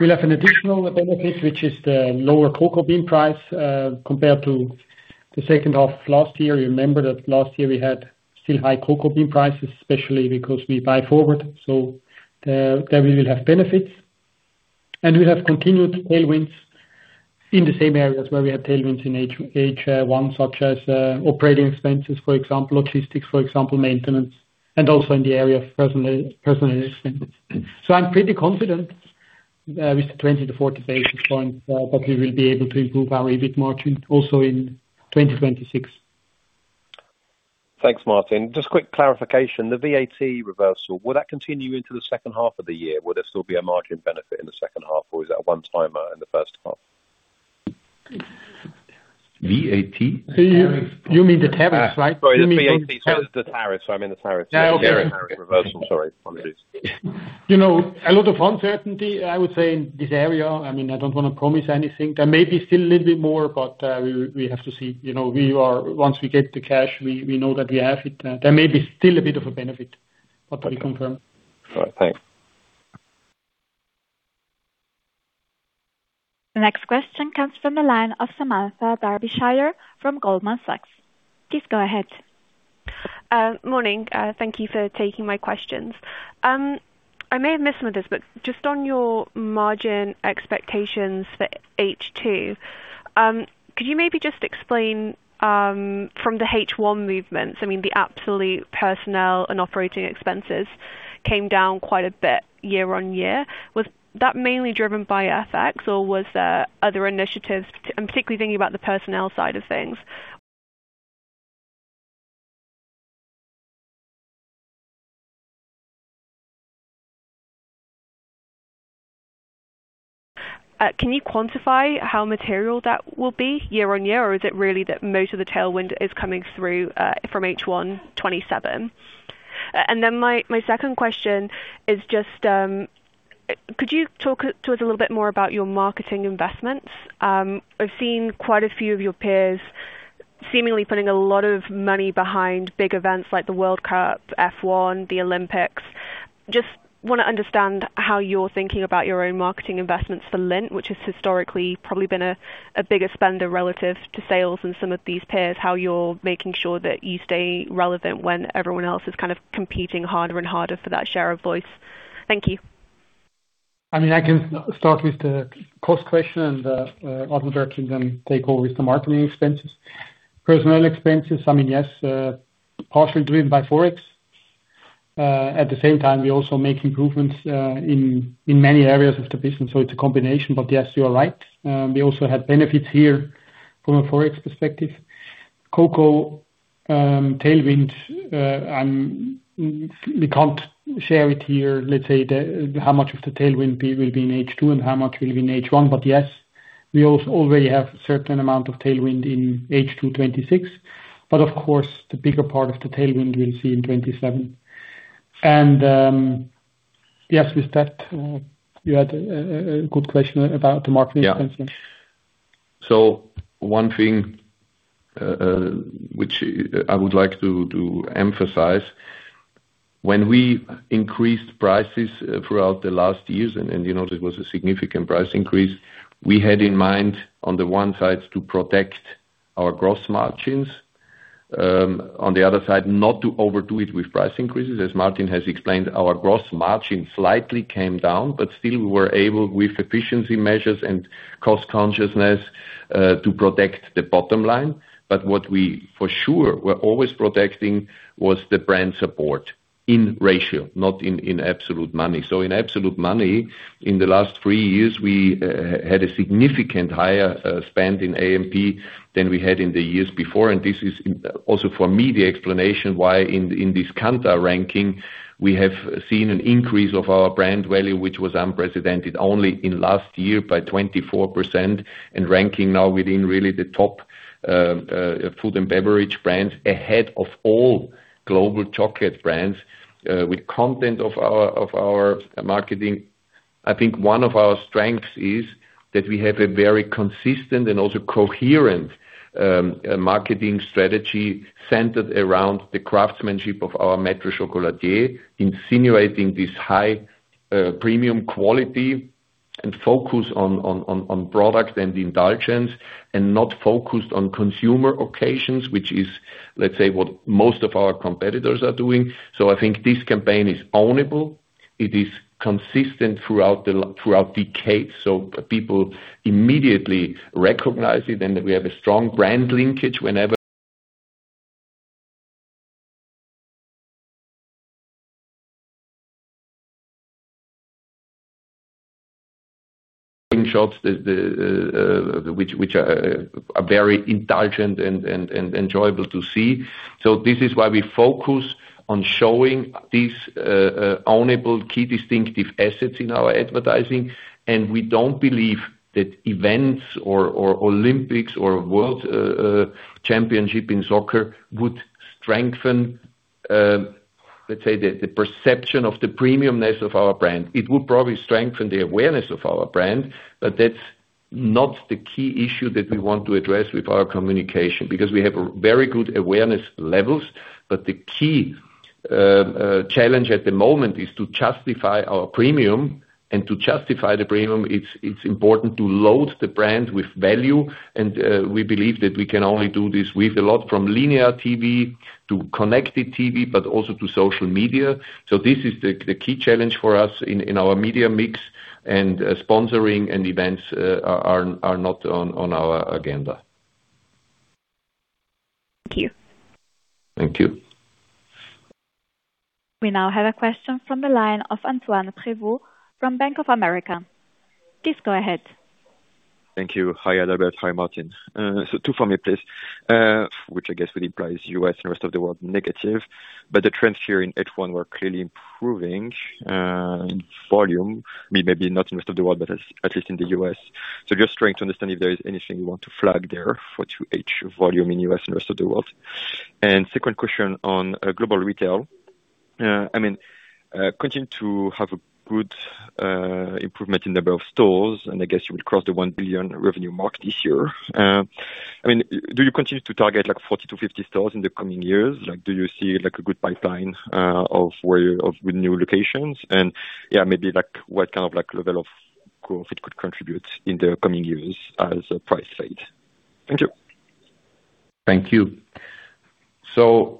we'll have an additional benefit, which is the lower cocoa bean price, compared to the second half of last year. You remember that last year we had still high cocoa bean prices, especially because we buy forward. There we will have benefits, and we have continued tailwinds in the same areas where we had tailwinds in H1, such as operating expenses, for example, logistics, for example, maintenance, and also in the area of personnel expenses. I'm pretty confident, with the 20 basis points-40 basis points, that we will be able to improve our EBIT margin also in 2026. Thanks, Martin. Just quick clarification, the VAT reversal, will that continue into the second half of the year? Will there still be a margin benefit in the second half or is that a one-timer in the first half? VAT? You mean the tariffs, right? Sorry, the VAT. It is the tariff, I mean. Yeah, okay. The tariff reversal. Sorry. Apologies. A lot of uncertainty, I would say, in this area. I don't want to promise anything. There may be still a little bit more. We have to see. Once we get the cash, we know that we have it. There may be still a bit of a benefit. We confirm. All right. Thanks. The next question comes from the line of Samantha Darbyshire from Goldman Sachs. Please go ahead. Morning. Thank you for taking my questions. I may have missed some of this. Just on your margin expectations for H2, could you maybe just explain, from the H1 movements, the absolute personnel and operating expenses came down quite a bit year-on-year. Was that mainly driven by FX or was there other initiatives? I'm particularly thinking about the personnel side of things. Can you quantify how material that will be year-on-year, or is it really that most of the tailwind is coming through, from H1 2027? My second question is just, could you talk to us a little bit more about your marketing investments? I've seen quite a few of your peers seemingly putting a lot of money behind big events like the World Cup, F1, the Olympics. Just want to understand how you are thinking about your own marketing investments for Lindt, which has historically probably been a bigger spender relative to sales in some of these peers, how you are making sure that you stay relevant when everyone else is kind of competing harder and harder for that share of voice. Thank you. I can start with the cost question and, Adalbert can take over with the marketing expenses. Personnel expenses, yes, partially driven by Forex. At the same time, we also make improvements in many areas of the business, so it is a combination. Yes, you are right. We also have benefits here from a Forex perspective. Cocoa tailwind, we can't share it here, let's say, how much of the tailwind will be in H2 and how much will be in H1. Yes, we already have certain amount of tailwind in H2 2026. Of course, the bigger part of the tailwind we will see in 2027. Yes, with that, you had a good question about the marketing expenses. One thing which I would like to emphasize, when we increased prices throughout the last years, and this was a significant price increase, we had in mind, on the one side, to protect our gross margins. On the other side, not to overdo it with price increases. As Martin has explained, our gross margin slightly came down, but still we were able, with efficiency measures and cost consciousness, to protect the bottom line. What we for sure were always protecting was the brand support in ratio, not in absolute money. In absolute money, in the last three years, we had a significant higher spend in AMP than we had in the years before. This is also for me the explanation why in this Kantar ranking, we have seen an increase of our brand value, which was unprecedented only in last year by 24%, and ranking now within really the top food and beverage brands ahead of all global chocolate brands, with content of our marketing. I think one of our strengths is that we have a very consistent and also coherent marketing strategy centered around the craftsmanship of our Maître Chocolatier, insinuating this high premium quality and focus on product and indulgence, and not focused on consumer occasions, which is, let's say, what most of our competitors are doing. I think this campaign is ownable. It is consistent throughout decades, so people immediately recognize it, and we have a strong brand linkage whenever [audio distortion] shots, which are very indulgent and enjoyable to see. This is why we focus on showing these ownable, key distinctive assets in our advertising. We don't believe that events or Olympics or world championship in soccer would strengthen let's say the perception of the premiumness of our brand. It will probably strengthen the awareness of our brand, but that's not the key issue that we want to address with our communication, because we have very good awareness levels. The key challenge at the moment is to justify our premium, and to justify the premium, it's important to load the brand with value, and we believe that we can only do this with a lot from linear TV to connected TV, but also to social media. This is the key challenge for us in our media mix, and sponsoring and events are not on our agenda. Thank you. Thank you. We now have a question from the line of Antoine Prevot from Bank of America. Please go ahead. Thank you. Hi, Adalbert. Hi, Martin. Two for me, please. Which I guess would imply is U.S. and rest of the world negative, the trends here in H1 were clearly improving volume. Maybe not in rest of the world, at least in the U.S. Just trying to understand if there is anything you want to flag there for 2H volume in U.S. and rest of the world. Second question on Global Retail. Continue to have a good improvement in the number of stores, I guess you will cross the 1 billion revenue mark this year. Do you continue to target 40-50 stores in the coming years? Do you see a good pipeline with new locations? Maybe what kind of level of growth it could contribute in the coming years as a price fade? Thank you. Thank you. For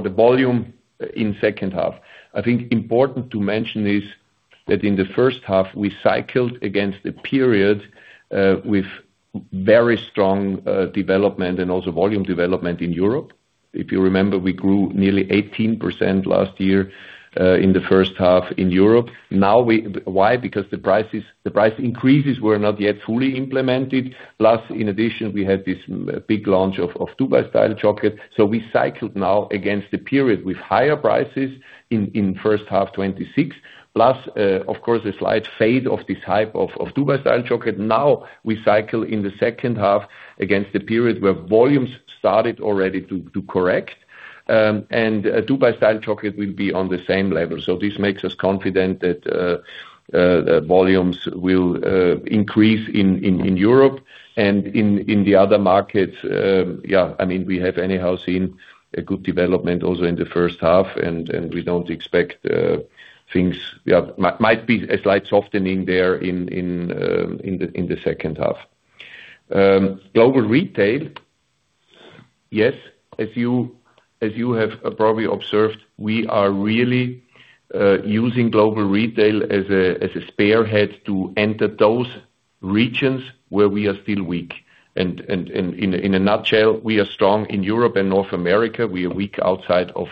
the volume in second half, I think important to mention is that in the first half, we cycled against a period with very strong development and also volume development in Europe. If you remember, we grew nearly 18% last year, in the first half in Europe. Why? Because the price increases were not yet fully implemented. Plus, in addition, we had this big launch of Dubai Style Chocolate. We cycled now against the period with higher prices in first half 2026. Plus, of course, a slight fade of this hype of Dubai Style Chocolate. We cycle in the second half against the period where volumes started already to correct. Dubai Style Chocolate will be on the same level. This makes us confident that volumes will increase in Europe and in the other markets. We have anyhow seen a good development also in the first half, we don't expect things Might be a slight softening there in the second half. Global Retail. Yes, as you have probably observed, we are really using Global Retail as a spearhead to enter those regions where we are still weak. In a nutshell, we are strong in Europe and North America. We are weak outside of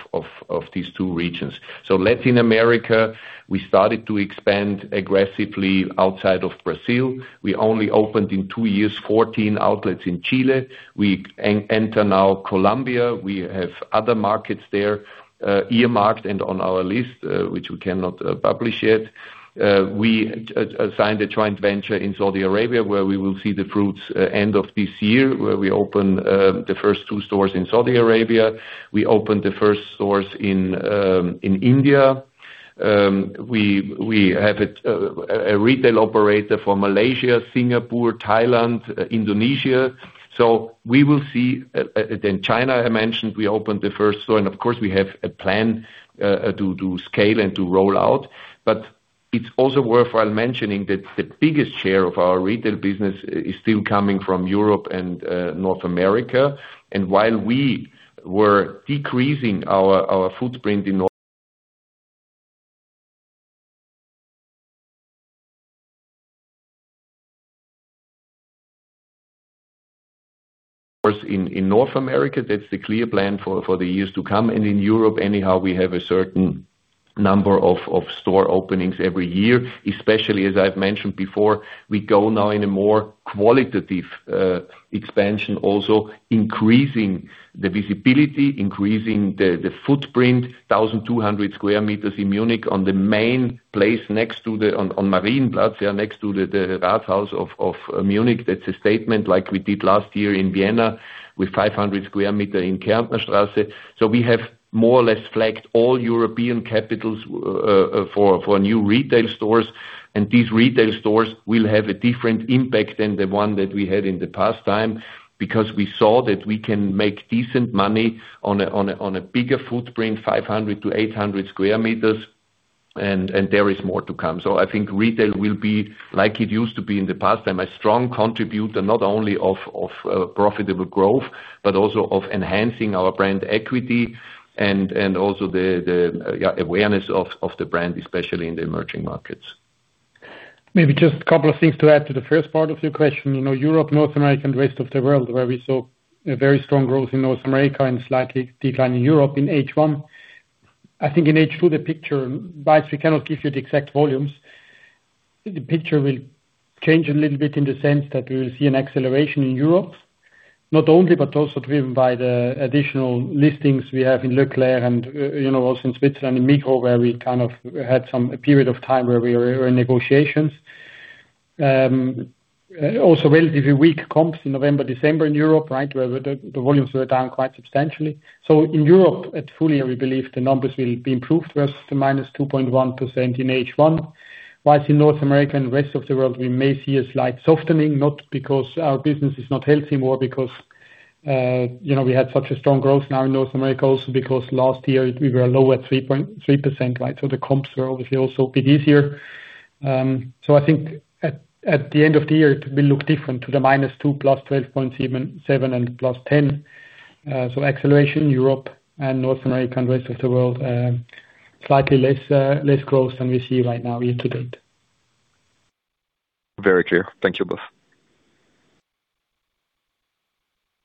these two regions. Latin America, we started to expand aggressively outside of Brazil. We only opened in two years, 14 outlets in Chile. We enter now Colombia. We have other markets there earmarked and on our list, which we cannot publish yet. We signed a joint venture in Saudi Arabia, where we will see the fruits end of this year, where we open the first two stores in Saudi Arabia. We opened the first stores in India. We have a retail operator for Malaysia, Singapore, Thailand, Indonesia. We will see. China, I mentioned, we opened the first store, of course, we have a plan to scale and to roll out. It is also worthwhile mentioning that the biggest share of our retail business is still coming from Europe and North America. While we were decreasing our footprint in North America, that is the clear plan for the years to come. In Europe, anyhow, we have a certain number of store openings every year, especially as I have mentioned before, we go now in a more qualitative expansion, also increasing the visibility, increasing the footprint, 1,200 sq m in Munich on the main place next on Marienplatz, next to the Rathaus of Munich. That is a statement like we did last year in Vienna with 500 sq m in Kärntner Strasse. We have more or less flagged all European capitals for new retail stores. And these retail stores will have a different impact than the one that we had in the past time, because we saw that we can make decent money on a bigger footprint, 500 sq m-800 sq m, and there is more to come. I think retail will be like it used to be in the past time, a strong contributor not only of profitable growth, but also of enhancing our brand equity and also the awareness of the brand, especially in the emerging markets. Just a couple of things to add to the first part of your question. Europe, North America, and rest of the world, where we saw a very strong growth in North America and slight decline in Europe in H1. I think in H2, the picture, whilst we cannot give you the exact volumes, the picture will change a little bit in the sense that we will see an acceleration in Europe, not only but also driven by the additional listings we have in E.Leclerc and also in Switzerland, in Migros, where we had some period of time where we were in negotiations. Also relatively weak comps in November, December in Europe, where the volumes were down quite substantially. In Europe, at full year, we believe the numbers will be improved versus the -2.1% in H1, whilst in North America and rest of the world, we may see a slight softening, not because our business is not healthy, more because we had such a strong growth now in North America also because last year we were -3%. The comps were obviously also a bit easier. At the end of the year, it will look different to the -2%, +12.7% and +10%. Acceleration Europe and North America and rest of the world, slightly less growth than we see right now year to date. Very clear. Thank you both.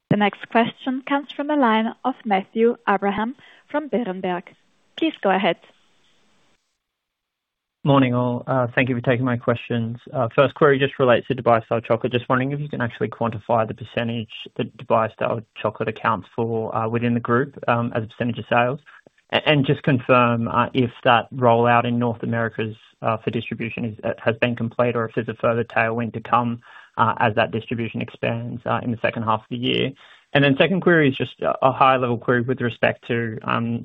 The next question comes from the line of Matthew Abraham from Berenberg. Please go ahead. Morning all. Thank you for taking my questions. First query just relates to Dubai Style Chocolate. Just wondering if you can actually quantify the percentage that Dubai Style Chocolate accounts for within the group, as a percentage of sales. Just confirm if that rollout in North America for distribution has been completed or if there's a further tailwind to come, as that distribution expands in the second half of the year. Second query is just a high level query with respect to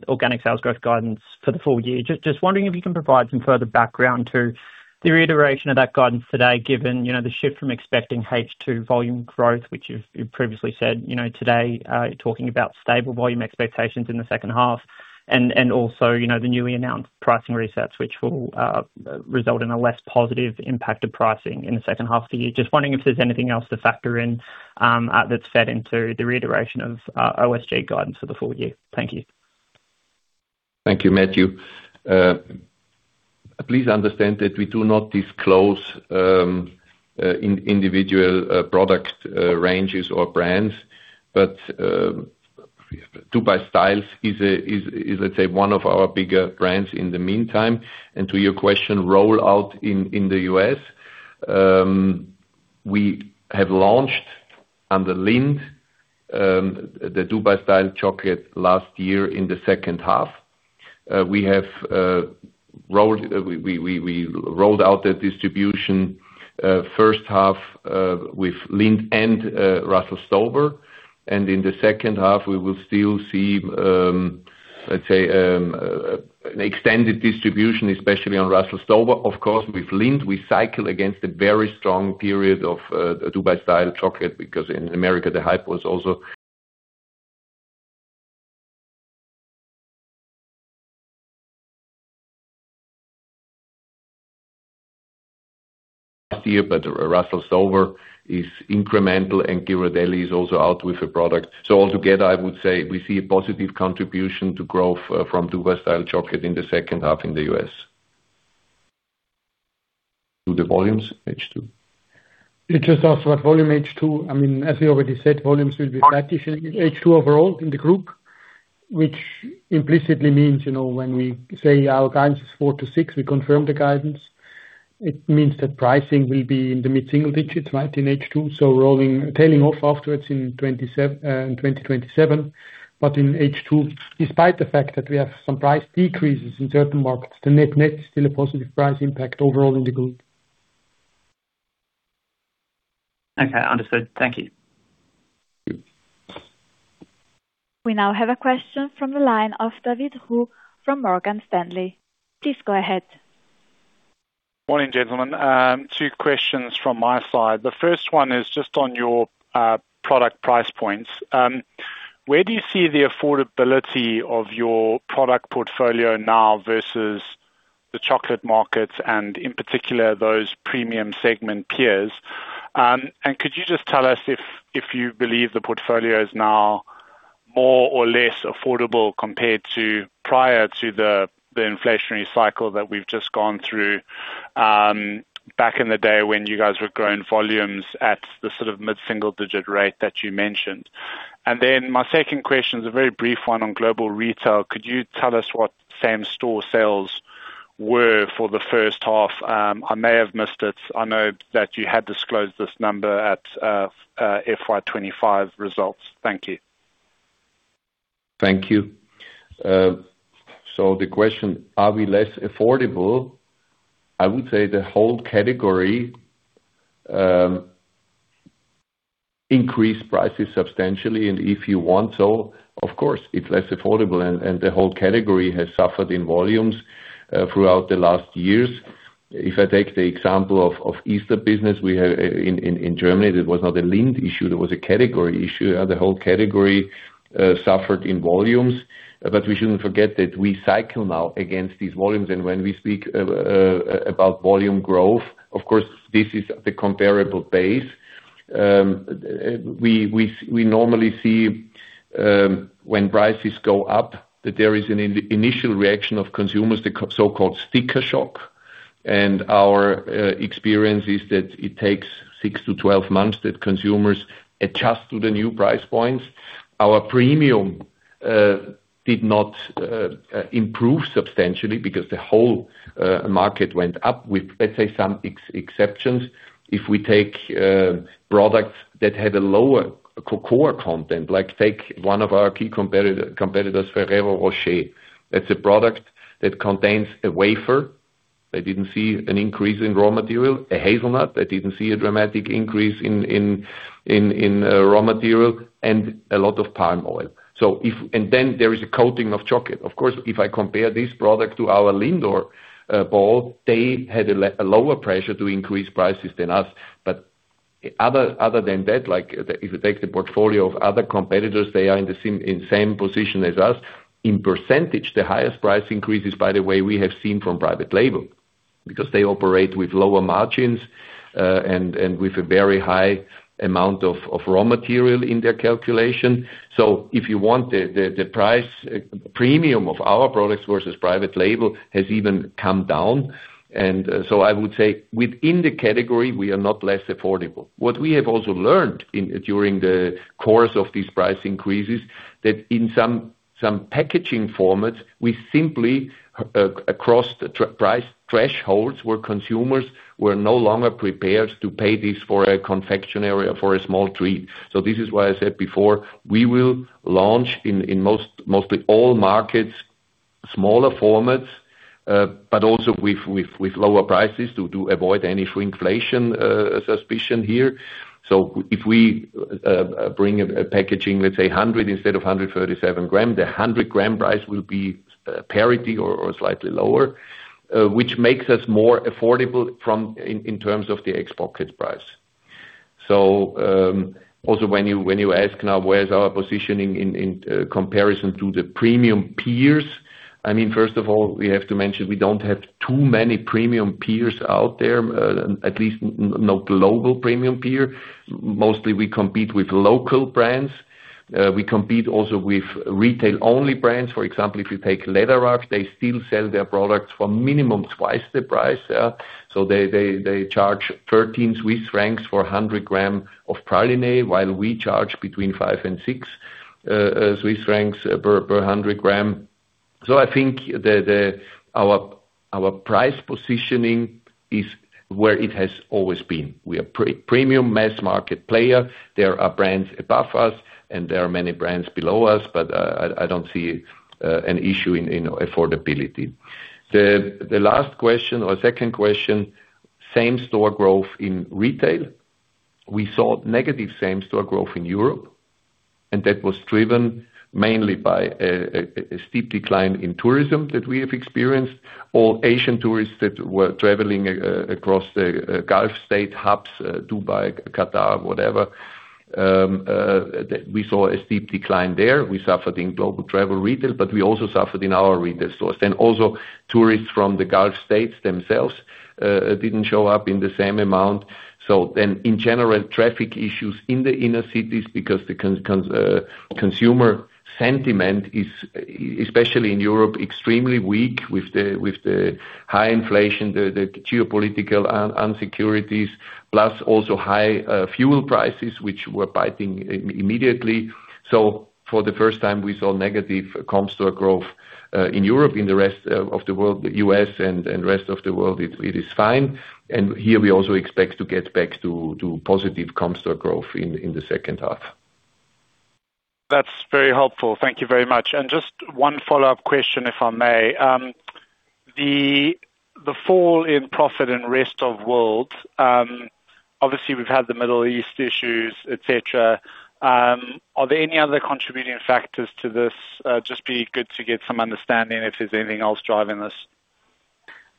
organic sales growth guidance for the full year. Just wondering if you can provide some further background to the reiteration of that guidance today, given the shift from expecting H2 volume growth, which you've previously said. Today, talking about stable volume expectations in the second half. Also, the newly announced pricing resets, which will result in a less positive impact of pricing in the second half of the year. Just wondering if there's anything else to factor in that's fed into the reiteration of OSG guidance for the full year. Thank you. Thank you, Matthew. Please understand that we do not disclose individual product ranges or brands. Dubai Styles is, let's say, one of our bigger brands in the meantime. To your question, rollout in the U.S., we have launched under Lindt, the Dubai Style Chocolate last year in the second half. We rolled out the distribution first half with Lindt and Russell Stover. In the second half we will still see, let's say, an extended distribution, especially on Russell Stover. Of course, with Lindt, we cycle against a very strong period of Dubai Style Chocolate because in America, the hype was also here. Russell Stover is incremental, and Ghirardelli is also out with a product. Altogether, I would say we see a positive contribution to growth from Dubai Style Chocolate in the second half in the U.S. To the volumes, H2. He just asked about volume H2. As we already said, volumes will be flat-ish in H2 overall in the group, which implicitly means when we say our guidance is 4%-6%, we confirm the guidance. It means that pricing will be in the mid-single digits in H2. Trailing off afterwards in 2027. In H2, despite the fact that we have some price decreases in certain markets, the net is still a positive price impact overall in the group. Okay, understood. Thank you. We now have a question from the line of David Roux from Morgan Stanley. Please go ahead. Morning, gentlemen. Two questions from my side. The first one is just on your product price points. Where do you see the affordability of your product portfolio now versus the chocolate markets and in particular, those premium segment peers? Could you just tell us if you believe the portfolio is now more or less affordable compared to prior to the inflationary cycle that we've just gone through, back in the day when you guys were growing volumes at the sort of mid-single digit rate that you mentioned. My second question is a very brief one on Global Retail. Could you tell us what same store sales were for the first half? I may have missed it. I know that you had disclosed this number at FY 2025 results. Thank you. Thank you. The question, are we less affordable? I would say the whole category increased prices substantially, and if you want so, of course, it's less affordable, and the whole category has suffered in volumes throughout the last years. If I take the example of Easter business we have in Germany, that was not a Lindt issue, that was a category issue. The whole category suffered in volumes. We shouldn't forget that we cycle now against these volumes, and when we speak about volume growth, of course, this is the comparable base. We normally see when prices go up, that there is an initial reaction of consumers, the so-called sticker shock. Our experience is that it takes 6-12 months that consumers adjust to the new price points. Our premium did not improve substantially because the whole market went up with, let's say, some exceptions. If we take products that had a lower core content, like take one of our key competitors, Ferrero Rocher. That's a product that contains a wafer. They didn't see an increase in raw material. A hazelnut, they didn't see a dramatic increase in raw material, and a lot of palm oil. Then there is a coating of chocolate. Of course, if I compare this product to our Lindor ball, they had a lower pressure to increase prices than us. Other than that, if you take the portfolio of other competitors, they are in the same position as us. In percentage, the highest price increases, by the way, we have seen from private label, because they operate with lower margins, and with a very high amount of raw material in their calculation. If you want the price premium of our products versus private label has even come down. I would say within the category, we are not less affordable. What we have also learned during the course of these price increases, that in some packaging formats, we simply, across the price thresholds, where consumers were no longer prepared to pay this for a confectionery or for a small treat. This is why I said before, we will launch in mostly all markets, smaller formats, but also with lower prices to avoid any inflation suspicion here. If we bring a packaging, let's say 100 g instead of 137 g, the 100 g price will be parity or slightly lower, which makes us more affordable in terms of the export kit price. Also when you ask now where is our positioning in comparison to the premium peers, I mean, first of all, we have to mention we don't have too many premium peers out there, at least not global premium peer. Mostly we compete with local brands. We compete also with retail-only brands. For example, if you take Läderach, they still sell their products for minimum twice the price. They charge 13 Swiss francs for 100 g of praline, while we charge between 5 and 6 Swiss francs per 100 g. I think that our price positioning is where it has always been. We are premium mass market player. There are brands above us and there are many brands below us, but I don't see an issue in affordability. The last question or second question, same-store growth in retail. We saw negative same-store growth in Europe. That was driven mainly by a steep decline in tourism that we have experienced, or Asian tourists that were traveling across the Gulf State hubs, Dubai, Qatar, whatever. We saw a steep decline there. We suffered in Global Retail, but we also suffered in our retail stores. Also tourists from the Gulf States themselves didn't show up in the same amount. In general, traffic issues in the inner cities because the consumer sentiment is, especially in Europe, extremely weak with the high inflation, the geopolitical insecurities, plus also high fuel prices, which were biting immediately. For the first time, we saw negative comp store growth in Europe. In the rest of the world, the U.S. and rest of the world, it is fine. Here we also expect to get back to positive comp store growth in the second half. That's very helpful. Thank you very much. Just one follow-up question, if I may. The fall in profit in rest of world, obviously we've had the Middle East issues, et cetera. Are there any other contributing factors to this? Just be good to get some understanding if there's anything else driving this.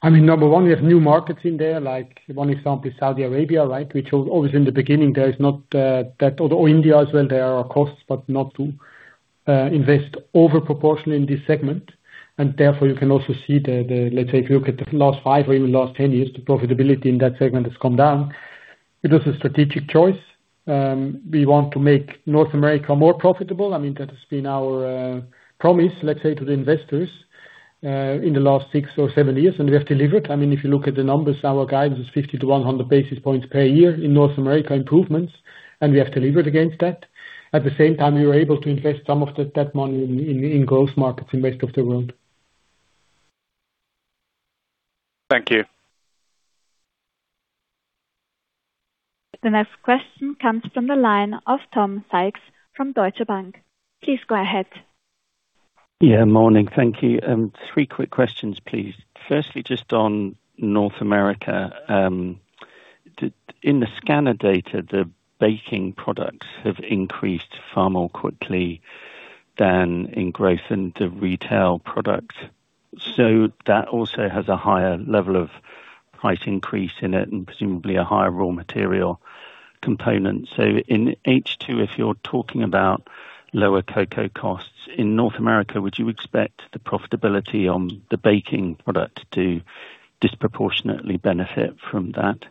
I mean, number one, we have new markets in there, like one example is Saudi Arabia, which always in the beginning, there is not that. India as well, there are costs, but not to invest over-proportionally in this segment. Therefore, you can also see the, let's say if you look at the last five or even last 10 years, the profitability in that segment has come down. It was a strategic choice. We want to make North America more profitable. I mean, that has been our promise, let's say, to the investors, in the last six or seven years. We have delivered. I mean, if you look at the numbers, our guidance is 50 basis points-100 basis points per year in North America improvements, we have delivered against that. At the same time, we were able to invest some of that money in growth markets in rest of the world. Thank you. The next question comes from the line of Tom Sykes from Deutsche Bank. Please go ahead. Yeah, morning. Thank you. Three quick questions, please. Firstly, just on North America. In the scanner data, the baking products have increased far more quickly than in growth in the retail product. That also has a higher level of price increase in it and presumably a higher raw material component. In H2, if you're talking about lower cocoa costs in North America, would you expect the profitability on the baking product to disproportionately benefit from that?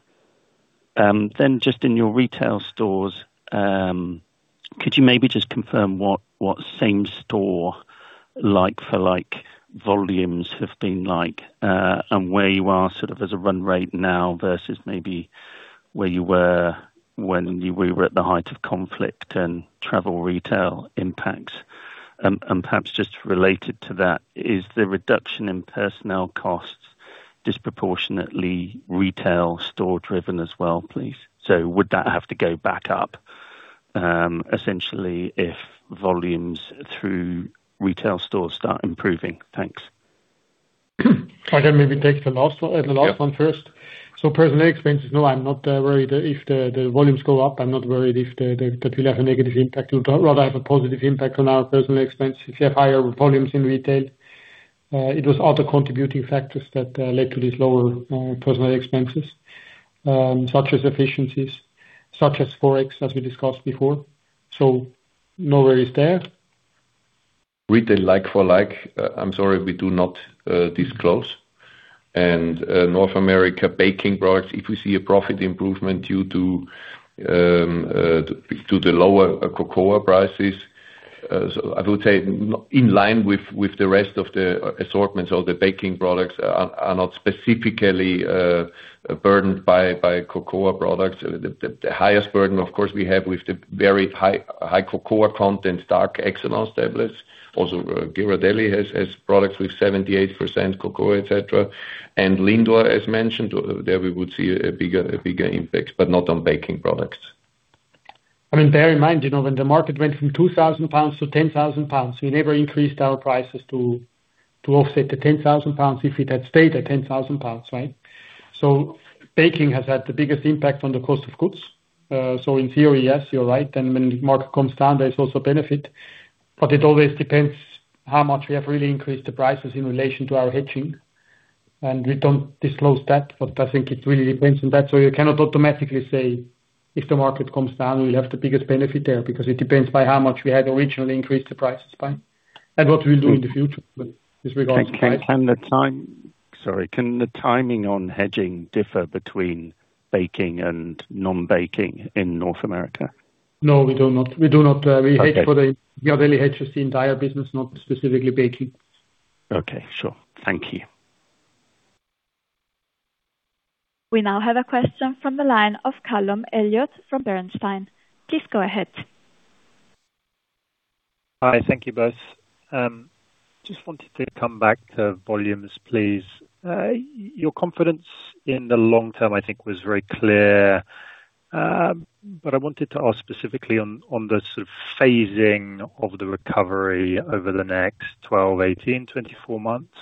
Just in your retail stores, could you maybe just confirm what same store like for like volumes have been like, and where you are sort of as a run rate now versus maybe where you were when we were at the height of conflict and travel retail impacts? Perhaps just related to that, is the reduction in personnel costs disproportionately retail store driven as well, please. Would that have to go back up, essentially if volumes through retail stores start improving? Thanks. I can maybe take the last one first. Personal expenses, no, I am not worried if the volumes go up. I am not worried if that will have a negative impact. It would rather have a positive impact on our personal expenses if you have higher volumes in retail. It was other contributing factors that led to these lower personal expenses, such as efficiencies, such as Forex, as we discussed before. No worries there. Retail like for like, I am sorry, we do not disclose. North America baking products, if we see a profit improvement due to the lower cocoa prices, I would say in line with the rest of the assortments or the baking products are not specifically burdened by cocoa products. The highest burden, of course, we have with the very high cocoa content dark Excellence tablets. Also, Ghirardelli has products with 78% cocoa, et cetera. Lindor, as mentioned, there we would see a bigger impact, but not on baking products. I mean, bear in mind, when the market went from 2,000 pounds to 10,000 pounds, we never increased our prices to offset the 10,000 pounds if it had stayed at 10,000 pounds, right? Baking has had the biggest impact on the cost of goods. In theory, yes, you are right. When the market comes down, there is also benefit, but it always depends how much we have really increased the prices in relation to our hedging, and we do not disclose that. I think it really depends on that. You cannot automatically say if the market comes down, we will have the biggest benefit there because it depends by how much we had originally increased the prices by and what we will do in the future with regards to prices. Sorry, can the timing on hedging differ between baking and non-baking in North America? No, we do not. Okay. Ghirardelli hedges the entire business, not specifically baking. Okay. Sure. Thank you. We now have a question from the line of Callum Elliott from Bernstein. Please go ahead. Hi. Thank you both. Just wanted to come back to volumes, please. Your confidence in the long term, I think, was very clear. I wanted to ask specifically on the sort of phasing of the recovery over the next 12, 18, 24 months.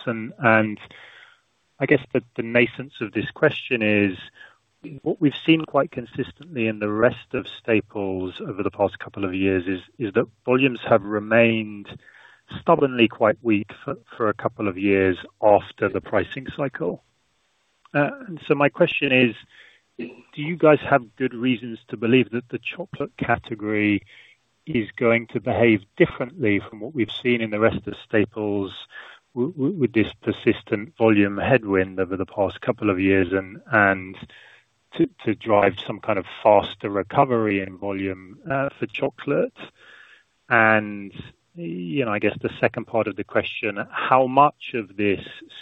I guess the nuance of this question is, what we've seen quite consistently in the rest of Staples over the past couple of years is that volumes have remained stubbornly quite weak for a couple of years after the pricing cycle. My question is, do you guys have good reasons to believe that the chocolate category is going to behave differently from what we've seen in the rest of Staples with this persistent volume headwind over the past couple of years and to drive some kind of faster recovery in volume for chocolate? I guess the second part of the question, how much of this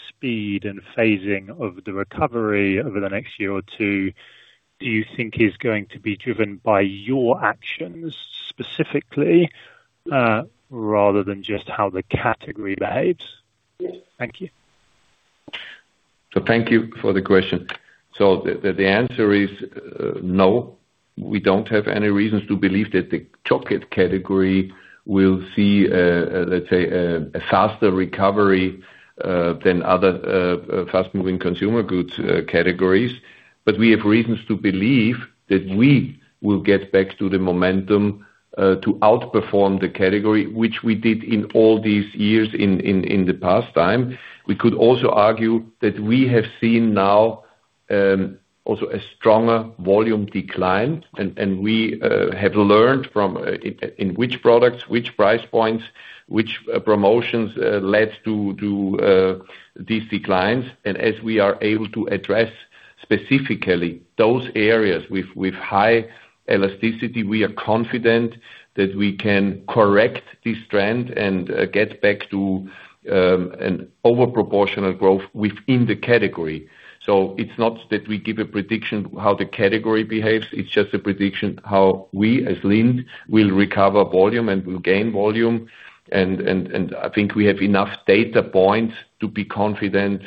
speed and phasing of the recovery over the next year or two do you think is going to be driven by your actions specifically, rather than just how the category behaves? Thank you. Thank you for the question. The answer is no. We don't have any reasons to believe that the chocolate category will see, let's say, a faster recovery than other fast-moving consumer goods categories. We have reasons to believe that we will get back to the momentum to outperform the category, which we did in all these years in the past time. We could also argue that we have seen now also a stronger volume decline, and we have learned in which products, which price points, which promotions led to these declines. As we are able to address specifically those areas with high elasticity, we are confident that we can correct this trend and get back to an over proportional growth within the category. It's not that we give a prediction how the category behaves, it's just a prediction how we, as Lindt, will recover volume and will gain volume. I think we have enough data points to be confident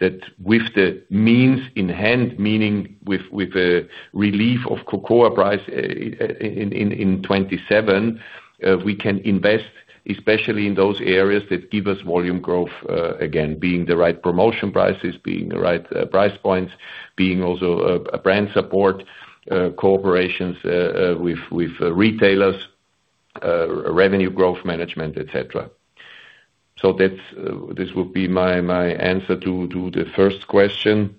that with the means in hand, meaning with a relief of cocoa price in 2027, we can invest, especially in those areas that give us volume growth again, being the right promotion prices, being the right price points, being also a brand support, cooperations with retailers, Revenue Growth Management, et cetera. This would be my answer to the first question.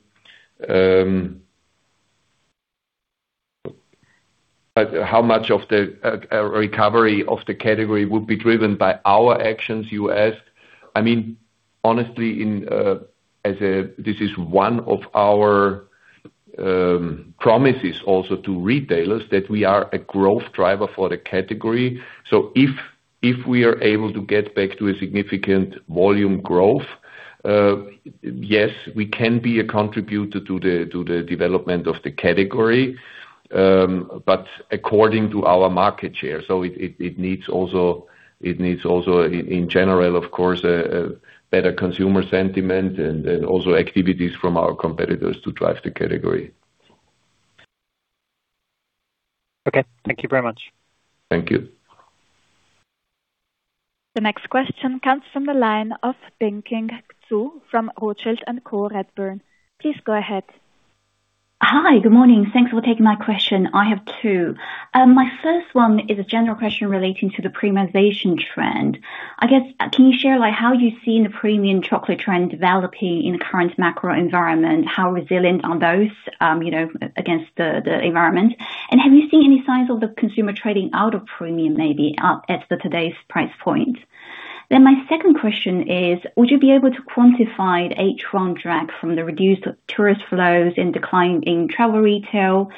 How much of the recovery of the category would be driven by our actions, you asked. I mean, honestly, this is one of our promises also to retailers, that we are a growth driver for the category. If we are able to get back to a significant volume growth, yes, we can be a contributor to the development of the category. According to our market share. It needs also, in general, of course, a better consumer sentiment and also activities from our competitors to drive the category. Okay. Thank you very much. Thank you. The next question comes from the line of Bingqing Zhu from Rothschild & Co Redburn. Please go ahead. Hi. Good morning. Thanks for taking my question. I have two. My first one is a general question relating to the premiumization trend. I guess, can you share how you see the premium chocolate trend developing in the current macro environment? How resilient are those against the environment? Have you seen any signs of the consumer trading out of premium maybe at today's price point? My second question is, would you be able to quantify H1 drag from the reduced tourist flows and decline in travel retail?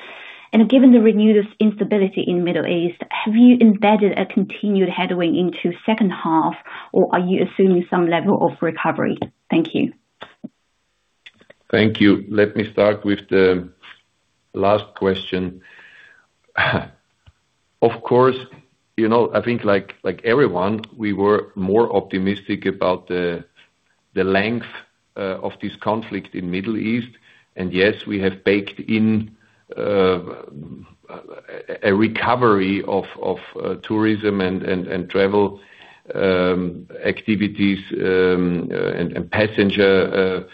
Given the renewed instability in Middle East, have you embedded a continued headway into second half, or are you assuming some level of recovery? Thank you. Thank you. Let me start with the last question. Of course, I think like everyone, we were more optimistic about the length of this conflict in Middle East. Yes, we have baked in a recovery of tourism and travel activities, and passenger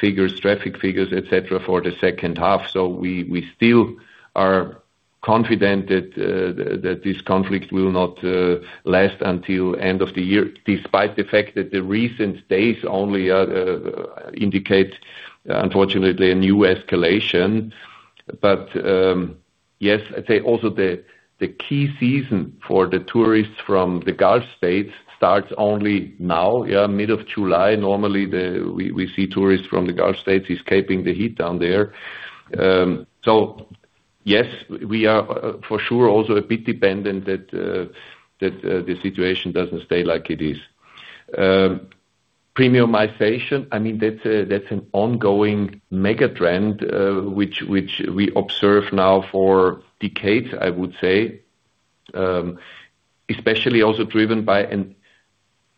figures, traffic figures, et cetera, for the second half. We still are confident that this conflict will not last until end of the year, despite the fact that the recent days only indicate, unfortunately, a new escalation. Yes, I'd say also the key season for the tourists from the Gulf states starts only now, mid of July. Normally, we see tourists from the Gulf states escaping the heat down there. Yes, we are for sure also a bit dependent that the situation doesn't stay like it is. Premiumization, that's an ongoing mega trend, which we observe now for decades, I would say. Especially also driven by an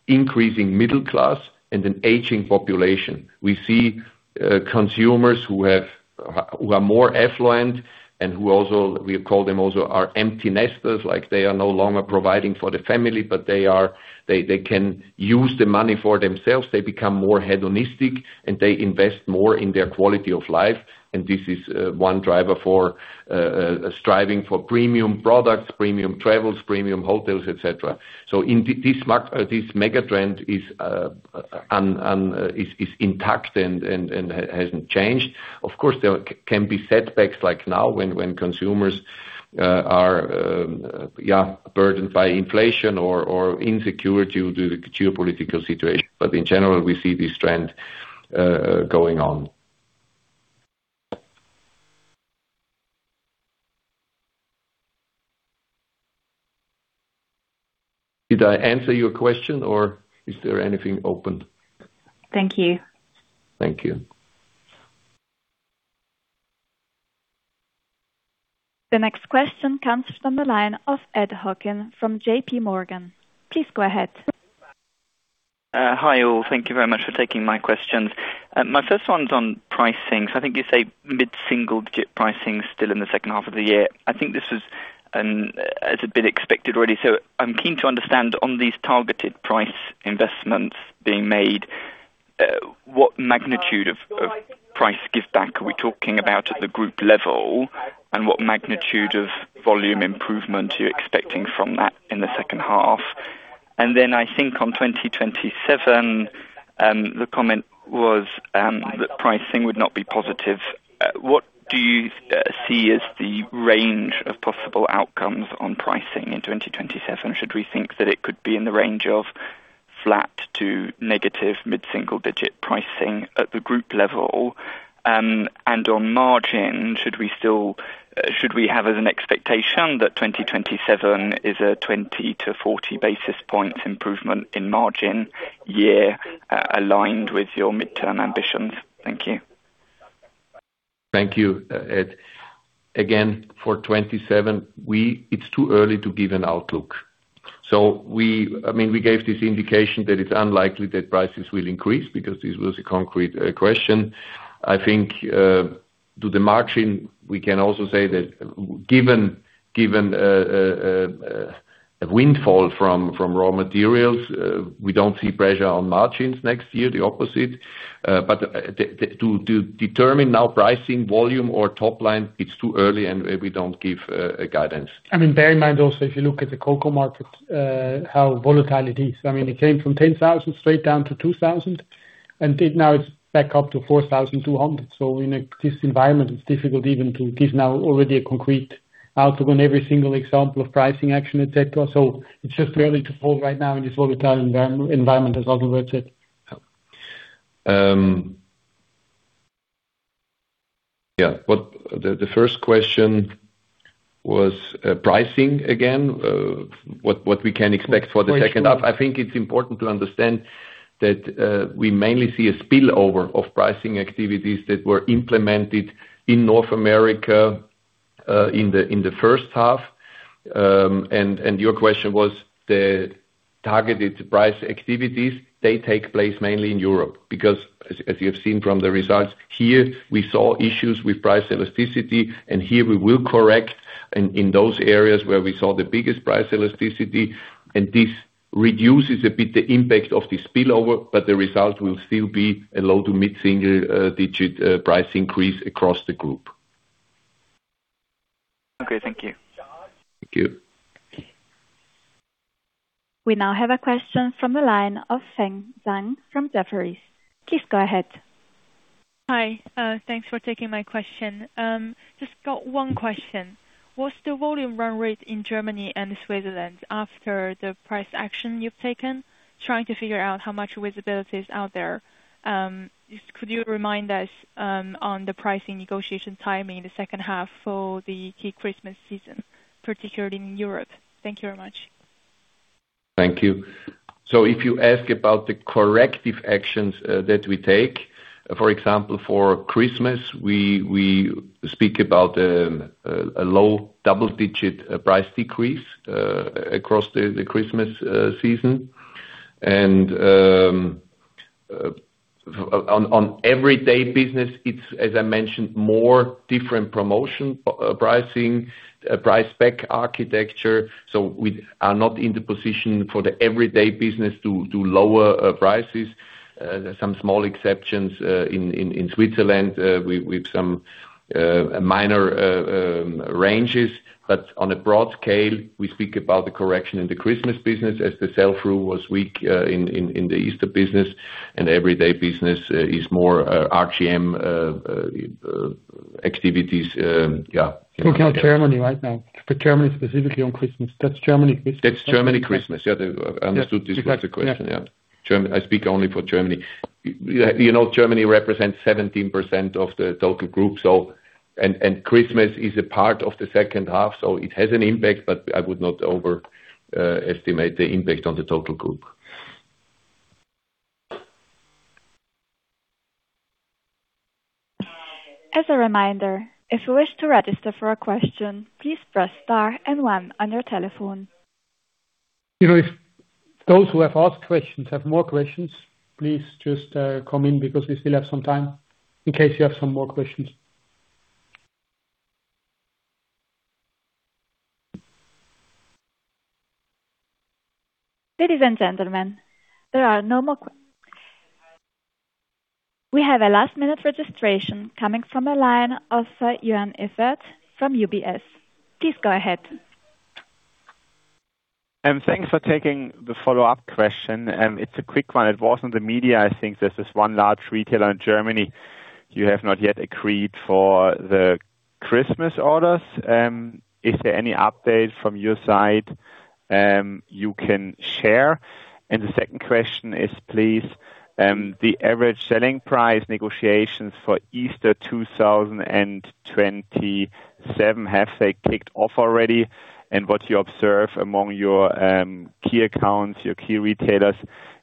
increasing middle class and an aging population. We see consumers who are more affluent and we call them also our empty nesters. They are no longer providing for the family, but they can use the money for themselves. They become more hedonistic, and they invest more in their quality of life. This is one driver for striving for premium products, premium travels, premium hotels, et cetera. This mega trend is intact and hasn't changed. Of course, there can be setbacks like now when consumers are burdened by inflation or insecurity due to the geopolitical situation. In general, we see this trend going on. Did I answer your question or is there anything open? Thank you. Thank you. The next question comes from the line of Ed Hockin from JPMorgan. Please go ahead. Hi, all. Thank you very much for taking my questions. My first one's on pricing. I think you say mid-single digit pricing still in the second half of the year. I think this is, it's a bit expected already. I'm keen to understand on these targeted price investments being made, what magnitude of price give back are we talking about at the group level? And what magnitude of volume improvement are you expecting from that in the second half? And then I think on 2027, the comment was that pricing would not be positive. What do you see as the range of possible outcomes on pricing in 2027? Should we think that it could be in the range of flat to negative mid-single digit pricing at the group level? On margin, should we have as an expectation that 2027 is a 20 basis points-40 basis points improvement in margin year aligned with your midterm ambitions? Thank you. Thank you, Ed. Again, for 2027, it is too early to give an outlook. We gave this indication that it is unlikely that prices will increase because this was a concrete question. I think, to the margin, we can also say that given a windfall from raw materials, we do not see pressure on margins next year, the opposite. To determine now pricing, volume or top line, it is too early and we do not give a guidance. Bear in mind also, if you look at the cocoa market, how volatile it is. It came from 10,000 straight down to 2,000, and now it is back up to 4,200. In this environment, it is difficult even to give now already a concrete outlook on every single example of pricing action, et cetera. It is just really difficult right now in this volatile environment, as Adalbert words it. The first question was pricing again, what we can expect for the second half. I think it is important to understand that we mainly see a spillover of pricing activities that were implemented in North America in the first half. Your question was the targeted price activities. They take place mainly in Europe because, as you have seen from the results here, we saw issues with price elasticity. Here we will correct in those areas where we saw the biggest price elasticity. This reduces a bit the impact of the spillover, the result will still be a low to mid-single digit price increase across the group. Okay. Thank you. Thank you. We now have a question from the line of Feng Zhang from Jefferies. Please go ahead. Hi. Thanks for taking my question. Just got one question. What's the volume run rate in Germany and Switzerland after the price action you've taken? Trying to figure out how much visibility is out there. Could you remind us on the pricing negotiation timing the second half for the key Christmas season, particularly in Europe? Thank you very much. Thank you. If you ask about the corrective actions that we take, for example, for Christmas, we speak about a low double-digit price decrease across the Christmas season. On everyday business, it's, as I mentioned, more different promotion pricing, price pack architecture. We are not in the position for the everyday business to lower prices. There are some small exceptions in Switzerland with some minor ranges. On a broad scale, we speak about the correction in the Christmas business as the sell-through was weak in the Easter business, and everyday business is more RGM activities. Yeah. Speaking of Germany right now, for Germany specifically on Christmas. That's Germany Christmas. That's Germany Christmas. Yeah. I understood this was the question, yeah. I speak only for Germany. Germany represents 17% of the total group, and Christmas is a part of the second half, it has an impact, but I would not overestimate the impact on the total group. As a reminder, if you wish to register for a question, please press star and one on your telephone. If those who have asked questions have more questions, please just come in because we still have some time in case you have some more questions. Ladies and gentlemen, there are no more. [audio distortion] We have a last-minute registration coming from the line of Joern Iffert from UBS. Please go ahead. Thanks for taking the follow-up question. It's a quick one. It was on the media, I think. There's this one large retailer in Germany you have not yet agreed for the Christmas orders. Is there any update from your side you can share? The second question is, please, the average selling price negotiations for Easter 2027, have they kicked off already? What you observe among your key accounts, your key retailers,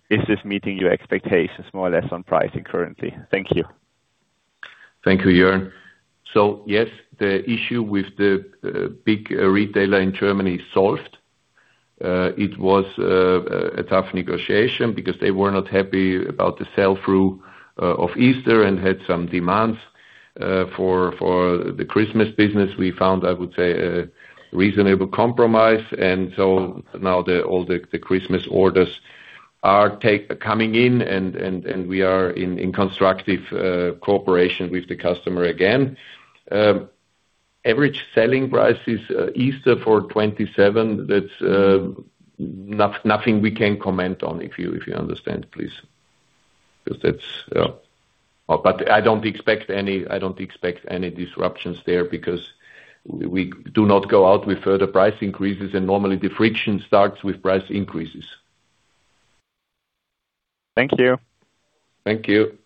is this meeting your expectations more or less on pricing currently? Thank you. Thank you, Joern. Yes, the issue with the big retailer in Germany is solved. It was a tough negotiation because they were not happy about the sell-through of Easter and had some demands for the Christmas business. We found, I would say, a reasonable compromise. Now all the Christmas orders are coming in, and we are in constructive cooperation with the customer again. Average selling price is Easter for 2027. That's nothing we can comment on, if you understand, please. I don't expect any disruptions there because we do not go out with further price increases, and normally the friction starts with price increases. Thank you. Thank you.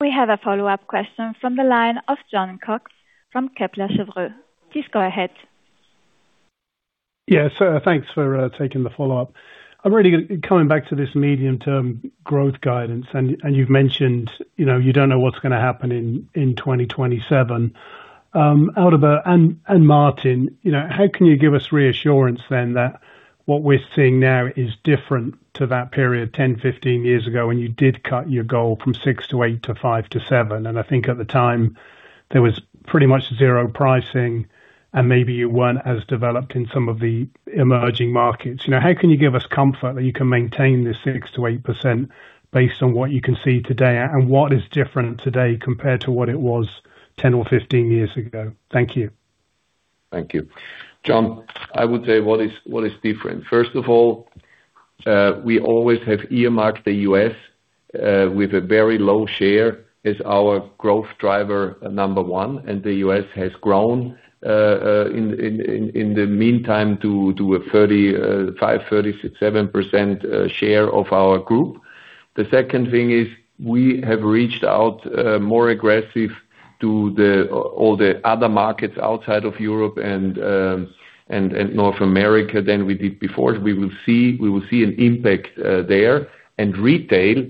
We have a follow-up question from the line of Jon Cox from Kepler Cheuvreux. Please go ahead. Thanks for taking the follow-up. I'm really coming back to this medium term growth guidance. You've mentioned you don't know what's going to happen in 2027. Martin, how can you give us reassurance then that what we're seeing now is different to that period 10-15 years ago when you did cut your goal from 6%-8% to 5%-7%? I think at the time there was pretty much zero pricing and maybe you weren't as developed in some of the emerging markets. How can you give us comfort that you can maintain this 6%-8% based on what you can see today? What is different today compared to what it was 10 or 15 years ago? Thank you. Thank you. Jon, I would say what is different. First of all, we always have earmarked the U.S. with a very low share as our growth driver number one, the U.S. has grown in the meantime to a 35%-37% share of our group. The second thing is we have reached out more aggressive to all the other markets outside of Europe and North America than we did before. We will see an impact there. Retail,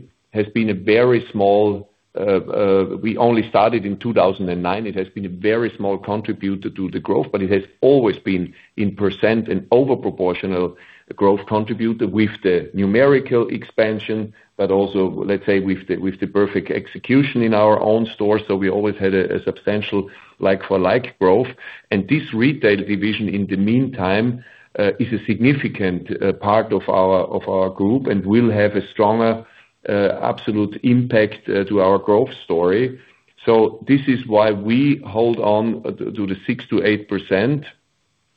we only started in 2009. It has been a very small contributor to the growth, but it has always been in percent and over proportional growth contributor with the numerical expansion, but also, let's say, with the perfect execution in our own stores. We always had a substantial like-for-like growth. This retail division in the meantime, is a significant part of our group and will have a stronger absolute impact to our growth story. This is why we hold on to the 6%-8%,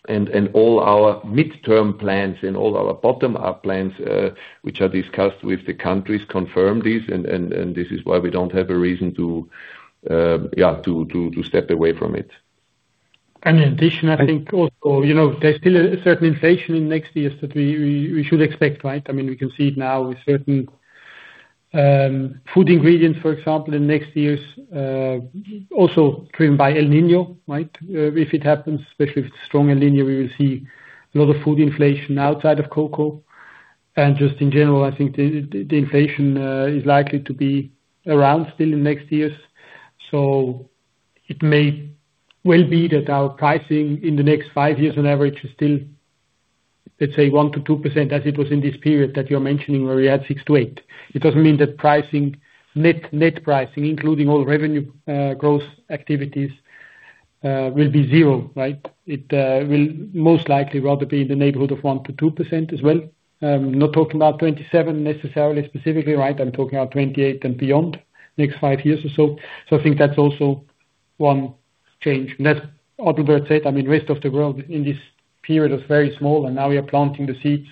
and all our midterm plans and all our bottom-up plans, which are discussed with the countries, confirm this is why we don't have a reason to step away from it. In addition, I think also, there's still a certain inflation in next years that we should expect, right? We can see it now with certain food ingredients, for example, in next years, also driven by El Niño. If it happens, especially if it's strong El Niño, we will see a lot of food inflation outside of cocoa. Just in general, I think the inflation is likely to be around still in next years. It may well be that our pricing in the next five years on average is still, let's say 1%-2%, as it was in this period that you're mentioning where we had 6%-8%. It doesn't mean that net pricing, including all revenue growth activities, will be zero, right? It will most likely rather be in the neighborhood of 1%-2% as well. I'm not talking about 2027 necessarily specifically. I'm talking about 2028 and beyond, next five years or so. I think that's also one change. As Adalbert said, rest of the world in this period is very small, now we are planting the seeds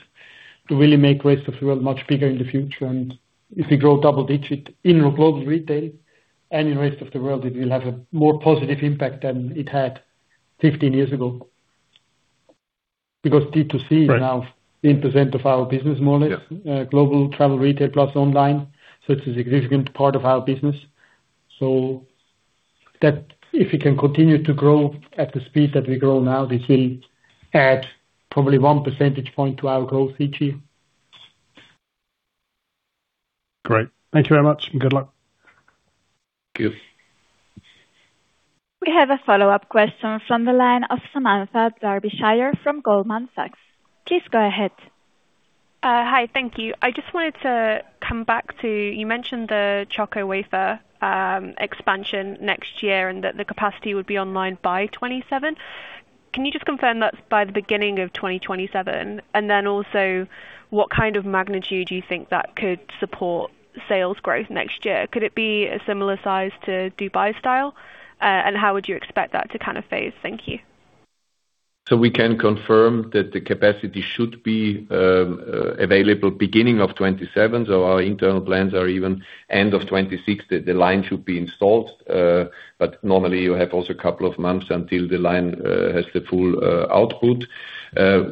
to really make the rest of the world much bigger in the future. If we grow double-digit in Global Retail and in the rest of the world, it will have a more positive impact than it had 15 years ago. D2C is now 8% of our business more or less, Global Retail, plus online. It's a significant part of our business. If we can continue to grow at the speed that we grow now, this will add probably one percentage point to our growth each year. Great. Thank you very much, and good luck. Thank you. We have a follow-up question from the line of Samantha Darbyshire from Goldman Sachs. Please go ahead. Hi. Thank you. I just wanted to come back to, you mentioned the Choco Wafer expansion next year and that the capacity would be online by 2027. Can you just confirm that's by the beginning of 2027? Then also, what kind of magnitude do you think that could support sales growth next year? Could it be a similar size to Dubai Style? How would you expect that to phase? Thank you. We can confirm that the capacity should be available beginning of 2027. Our internal plans are even end of 2026 that the line should be installed. Normally you have also a couple of months until the line has the full output.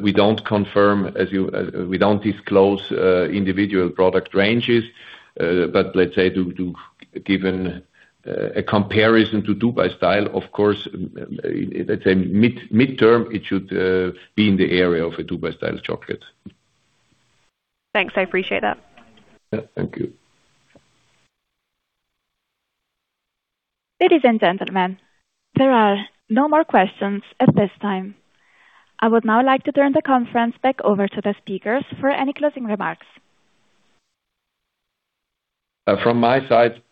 We do not disclose individual product ranges. Let's say to give a comparison to Dubai Style, of course, let's say midterm, it should be in the area of a Dubai Style Chocolate. Thanks. I appreciate that. Yeah. Thank you. Ladies and gentlemen, there are no more questions at this time. I would now like to turn the conference back over to the speakers for any closing remarks. From my side,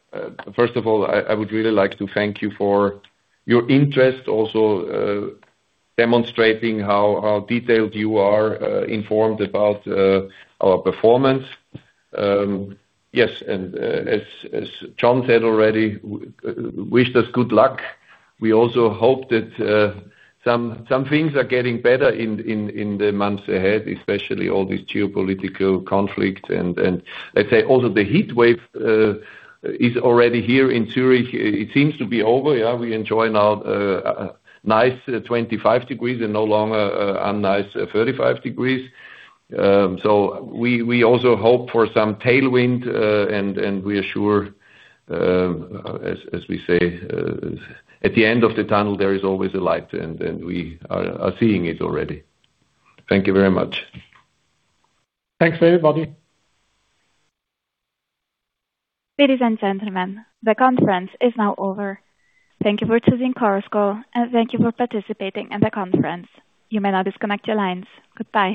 first of all, I would really like to thank you for your interest, also demonstrating how detailed you are informed about our performance. As Jon said already, wish us good luck. We also hope that some things are getting better in the months ahead, especially all these geopolitical conflicts. Let's say also the heat wave is already here in Zurich. It seems to be over. We enjoy now a nice 25 degrees and no longer a nice 35 degrees. We also hope for some tailwind, and we are sure, as we say, at the end of the tunnel, there is always a light, and we are seeing it already. Thank you very much. Thanks, everybody. Ladies and gentlemen, the conference is now over. Thank you for choosing Chorus Call, and thank you for participating in the conference. You may now disconnect your lines. Goodbye.